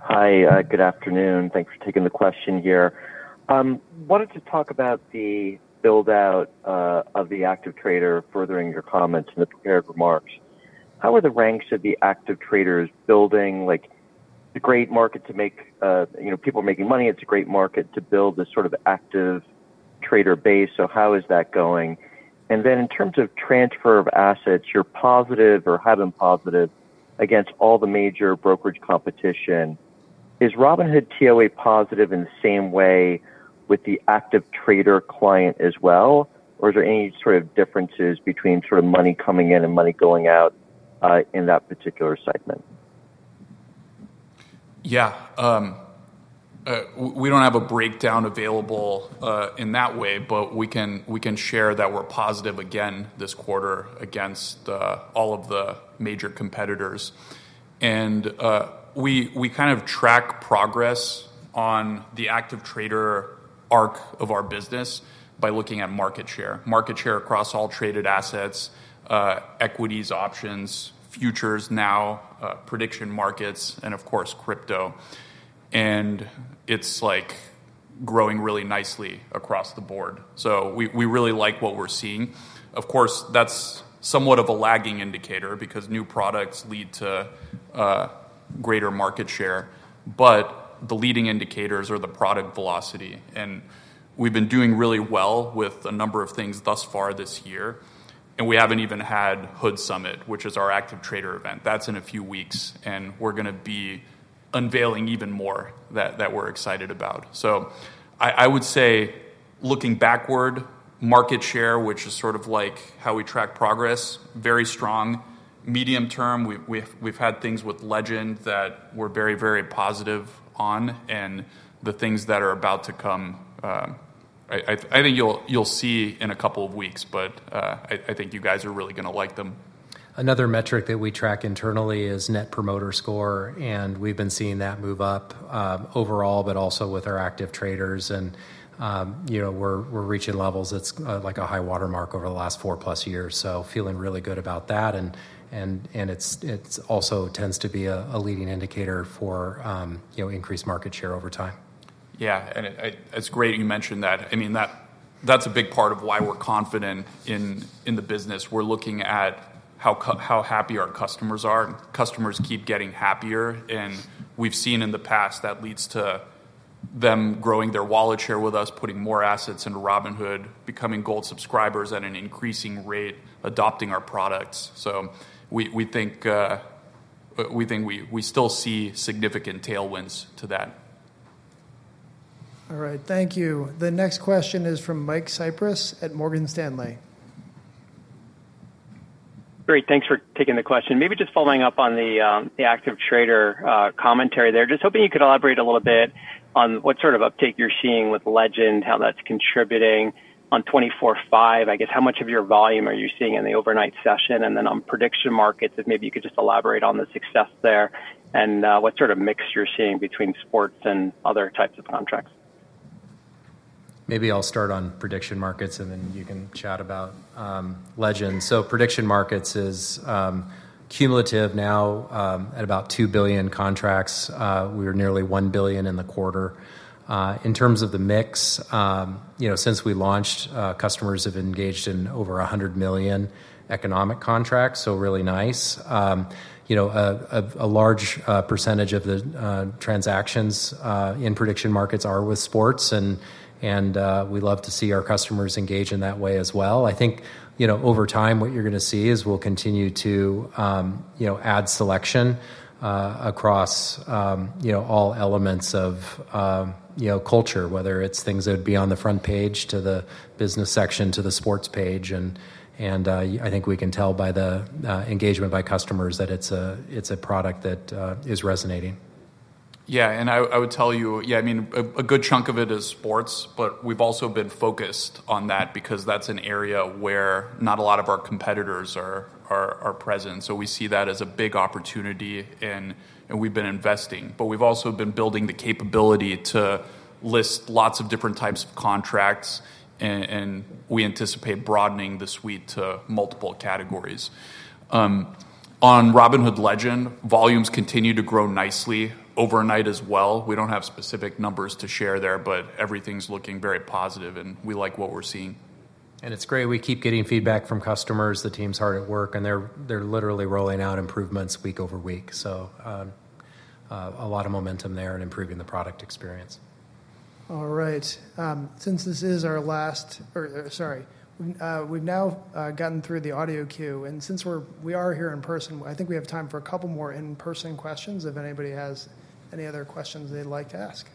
Hi, good afternoon. Thanks for taking the question here. I wanted to talk about the build out of the active trader. Furthering your comments in the prepared remarks. How are the ranks of the active traders building, like the great market to make, you know, people are making money. It's a great market to build this sort of active trader base. How is that going? In terms of transfer of assets, you're positive or have been positive against all the major brokerage competition. Is Robinhood too a positive in the same way with the active trader client as well, or is there any sort of differences between sort of money coming in and money going out in that particular segment? Yeah, we don't have a breakdown available in that way, but we can share that we're positive again this quarter against all of the major competitors and we kind of track progress on the active trader arc of our business by looking at market share, market share across all traded assets, equities, options, futures, now prediction markets and of course crypto. It's growing really nicely across the board. We really like what we're seeing. Of course that's somewhat of a lagging indicator because new products lead to greater market share. The leading indicators are the product velocity and we've been doing really well with a number of things thus far this year and we haven't even had HOOD Summit, which is our active trader event that's in a few weeks and we're going to be unveiling even more that we're excited about. I would say looking backward, market share, which is sort of like how we track progress, very strong medium term. We've had things with Legend that we're very, very positive on and the things that are about to come I think you'll see in a couple of weeks, but I think you guys are really going to like them. Another metric that we track internally is net promoter score and we've been seeing that move up overall but also with our active traders and you know we're reaching levels that's like a high water mark over the last four plus years. So feeling really good about that. And it's also tends to be a leading indicator for, you know, increased market share over time. Yeah, and it's great you mentioned that. I mean, that's a big part of why we're confident in the business. We're looking at how happy our customers are, and customers keep getting happier, and we've seen in the past that leads to them growing their wallet share with us, putting more assets into Robinhood, becoming Gold subscribers at an increasing rate, adopting our products. We think we still see significant tailwinds to that. All right, thank you. The next question is from Mike Cyprys at Morgan Stanley. Great, thanks for taking the question. Maybe just following up on the active trader commentary there. Just hoping you could elaborate a little bit on what sort of uptake you're seeing with Legend, how that's contributing on 24/5, I guess. How much of your volume are you seeing in the overnight session? On prediction markets, if maybe you could just elaborate on the success there and what sort of mix you're seeing between sports and other types of contracts. Maybe I'll start on prediction markets and then you can chat about Legend. Prediction markets is cumulative now at about 2 billion contracts. We were nearly 1 billion in the quarter in terms of the mix. Since we launched, customers have engaged in over 100 million economic contracts. Really nice. A large percentage of the transactions in prediction markets are with sports and we love to see our customers engage in that way as well. I think over time what you're going to see is we'll continue to add selection across, you know, all elements of, you know, culture, whether it's things that would be on the front page to the business section, to the sports page. I think we can tell by the engagement by customers that it's a product that is resonating. Yeah. I would tell you, yeah, I mean a good chunk of it is sports, but we've also been focused on that because that's an area where not a lot of our competitors are present. We see that as a big opportunity in. We've been investing, but we've also been building the capability to list lots of different types of contracts and we anticipate broadening the suite to multiple categories. On Robinhood, Legend volumes continue to grow nicely overnight as well. We don't have specific numbers to share there, but everything's looking very positive and we like what we're seeing and it's. Great, we keep getting feedback from customers. The team's hard at work and they're literally rolling out improvements week over week. A lot of momentum there and improving the product experience. All right, since this is our last or, sorry, we've now gotten through the audio queue and since we are here in person, I think we have time for a couple more in person questions. If anybody has any other questions they'd like to ask.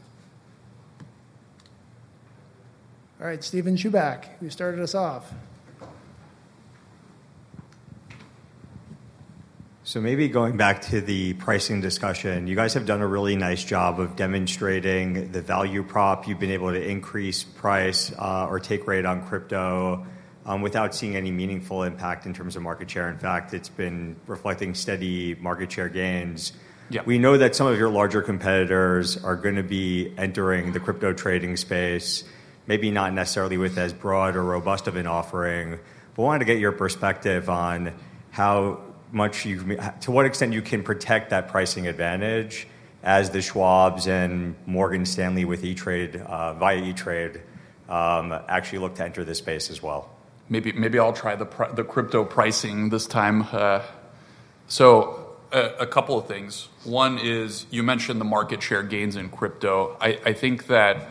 All right, Stephen Chubak, who started us off. Maybe going back to the pricing discussion. You guys have done a really nice job of demonstrating the value prop. You've been able to increase price or take rate on crypto without seeing any meaningful impact in terms of market share. In fact, it's been reflecting steady market share gains. We know that some of your larger competitors are going to be entering the crypto trading space, maybe not necessarily with as broad or robust of an offering, but wanted to get your perspective on how much you've, to what extent you can protect that pricing advantage as the Schwabs and Morgan Stanley with E*TRADE, via E*TRADE actually look to enter this space as well. Maybe I'll try the crypto pricing this time. A couple of things. One is you mentioned the market share gains in crypto. I think that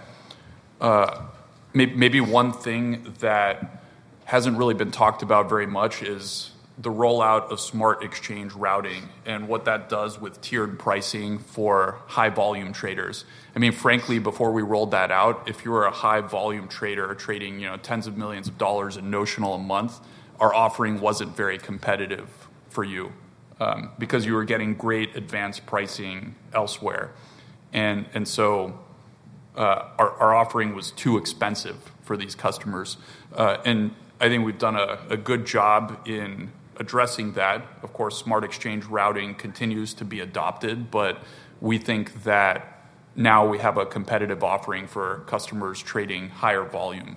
maybe one thing that hasn't really been talked about very much is the rollout of smart exchange routing and what that does with tiered pricing for high volume traders. I mean, frankly, before we rolled that out, if you were a high volume trader trading tens of millions of dollars in notional a month, our offering wasn't very competitive for you because you were getting great advanced pricing elsewhere. Our offering was too expensive for these customers. I think we've done a good job in addressing that. Of course, smart exchange routing continues to be adopted, but we think that now we have a competitive offering for customers trading higher volume.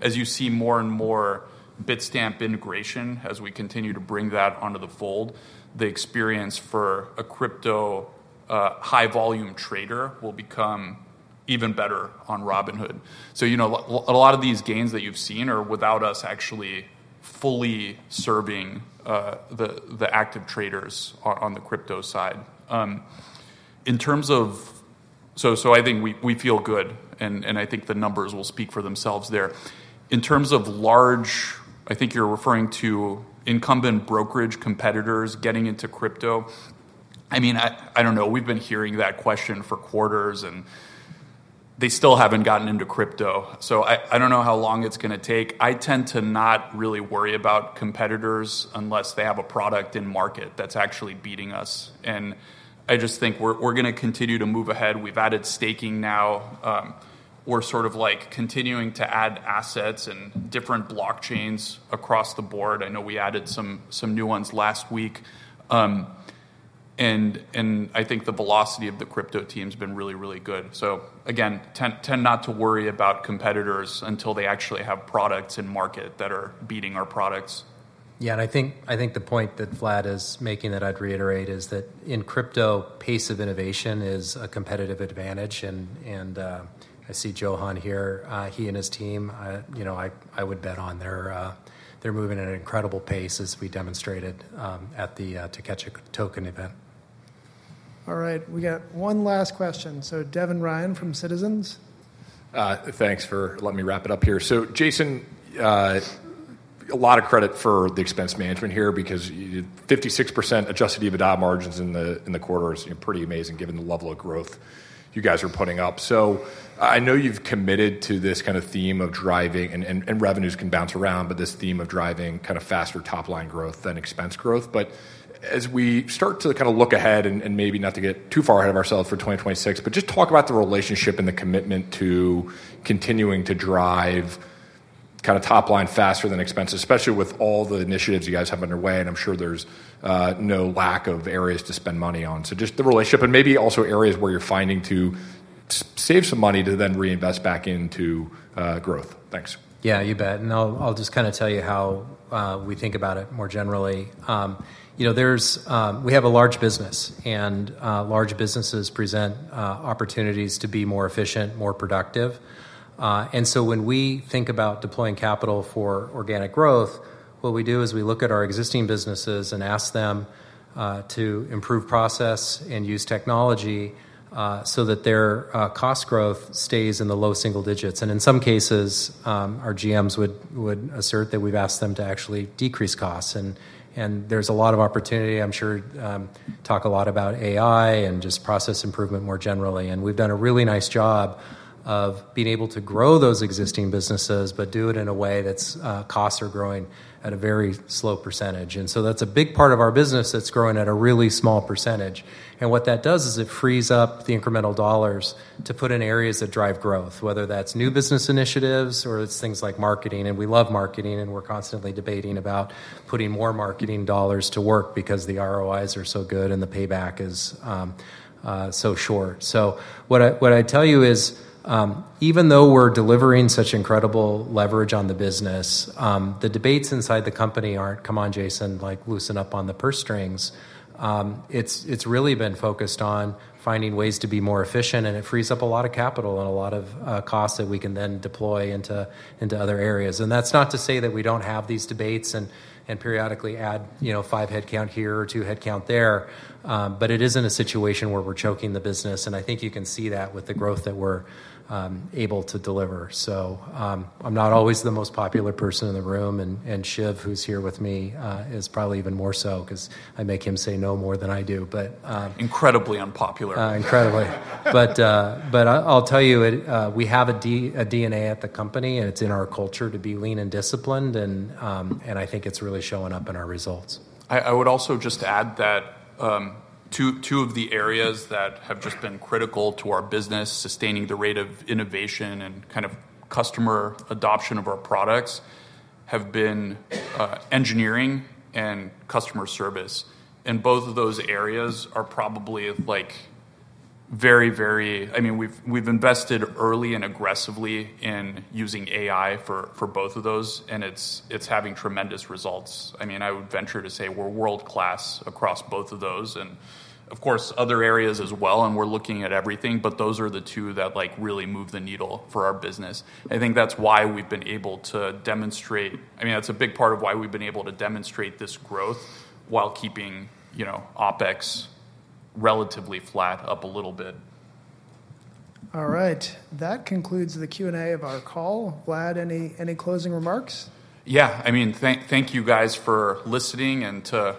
As you see more and more Bitstamp integration, as we continue to bring that onto the fold, the experience for a crypto high volume trader will become even better on Robinhood. You know, a lot of these gains that you've seen are without us actually fully serving the active traders on the crypto side. I think we feel good and I think the numbers will speak for themselves there. In terms of large, I think you're referring to incumbent brokerage competitors getting into crypto. I mean, I don't know, we've been hearing that question for quarters and they still haven't gotten into crypto. I don't know how long it's going to take. I tend to not really worry about competitors unless they have a product in market that's actually beating us. I just think we're going to continue to move ahead. We've added staking now. We're sort of like continuing to add assets and different blockchains across the board. I know we added some new ones last week and I think the velocity of the crypto team has been really, really good. Again, tend not to worry about competitors until they actually have products in market that are beating our products. Yeah. I think the point that Vlad is making, that I'd reiterate, is that in crypto, pace of innovation is a competitive advantage. I see Johan here, he and his team, you know, I would bet on their, they're moving at an incredible pace, as we demonstrated at the To Catch a Token event. All right, we got one last question, so Devin Ryan from Citizens, thanks for. Let me wrap it up here. So, Jason, a lot of credit for the expense management here because 56% Adjusted EBITDA margins in the quarter is pretty amazing given the level of growth you guys are putting up. I know you've committed to this kind of theme of driving and revenues can bounce around, but this theme of driving kind of faster top line growth than expense growth. As we start to kind of look ahead, and maybe not to get too far ahead of ourselves for 2026, just talk about the relationship and the commitment to continuing to drive kind of top line faster than expenses, especially with all the initiatives you guys have underway. I'm sure there's no lack of areas to spend money on, so just the relationship and maybe also areas where you're finding to save some money to then reinvest back into growth. Thanks. Yeah, you bet. I'll just kind of tell you how we think about it more generally. You know, we have a large business and large businesses present opportunities to be more efficient, more productive. When we think about deploying capital for organic growth, what we do is we look at our existing businesses and ask them to improve, process, and use technology so that their cost growth stays in the low single digits. In some cases our GMs would assert that we've asked them to actually decrease costs. There's a lot of opportunity, I'm sure, talk a lot about AI and just process improvement more generally. We've done a really nice job of being able to grow those existing businesses, but do it in a way that's costs are growing at a very slow percentage. That's a big part of our business that's growing at a really small percentage. What that does is it frees up the incremental dollars to put in areas that drive growth, whether that's new business initiatives or it's things like marketing. We love marketing. We're constantly debating about putting more marketing dollars to work because the ROIs are so good and the payback is so short. What I tell you is, even though we're delivering such incredible leverage on the business, the debates inside the company aren't, come on, Jason, like, loosen up on the purse strings. It's really been focused on finding ways to be more efficient, and it frees up a lot of capital and a lot of costs that we can then deploy into other areas. That's not to say that we don't have these debates and, and periodically add, you know, five headcount here or two headcount there. It is not a situation where we're choking the business. I think you can see that with the growth that we're able to deliver. I'm not always the most popular person in the room, and Shiv, who's here with me, is probably even more so because I make him say no more than I do. Incredibly unpopular. Incredibly. I'll tell you, we have a DNA at the company, and it's in our culture to be lean and disciplined, and I think it's really showing up in our results. I would also just add that two of the areas that have just been critical to our business, sustaining the rate of innovation and kind of customer adoption of our products have been engineering and customer service. Both of those areas are probably like, very, very. I mean, we've invested early and aggressively in using AI for both of those, and it's having tremendous results. I mean, I would venture to say we're world class across both of those and of course, other areas as well. We're looking at everything, but those are the two that really move the needle for our business. I think that's why we've been able to demonstrate. I mean, that's a big part of why we've been able to demonstrate this growth while keeping, you know, OpEx relatively flat up a little bit. All right, that concludes the Q&A of our call. Vlad, any, any closing remarks? Yeah, I mean, thank you guys for listening. And to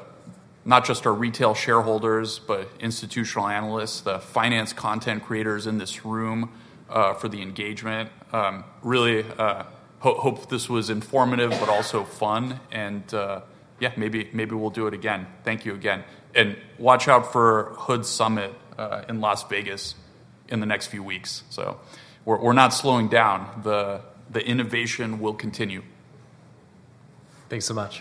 not just our retail shareholders, but institutional analysts, the finance content creators in this room for the engagement. Really hope this was informative but also fun. And yeah, maybe, maybe we'll do it again. Thank you again. And watch out for HOOD Summit in Las Vegas in the next few weeks. We're not slowing down. The innovation will continue. Thanks so much.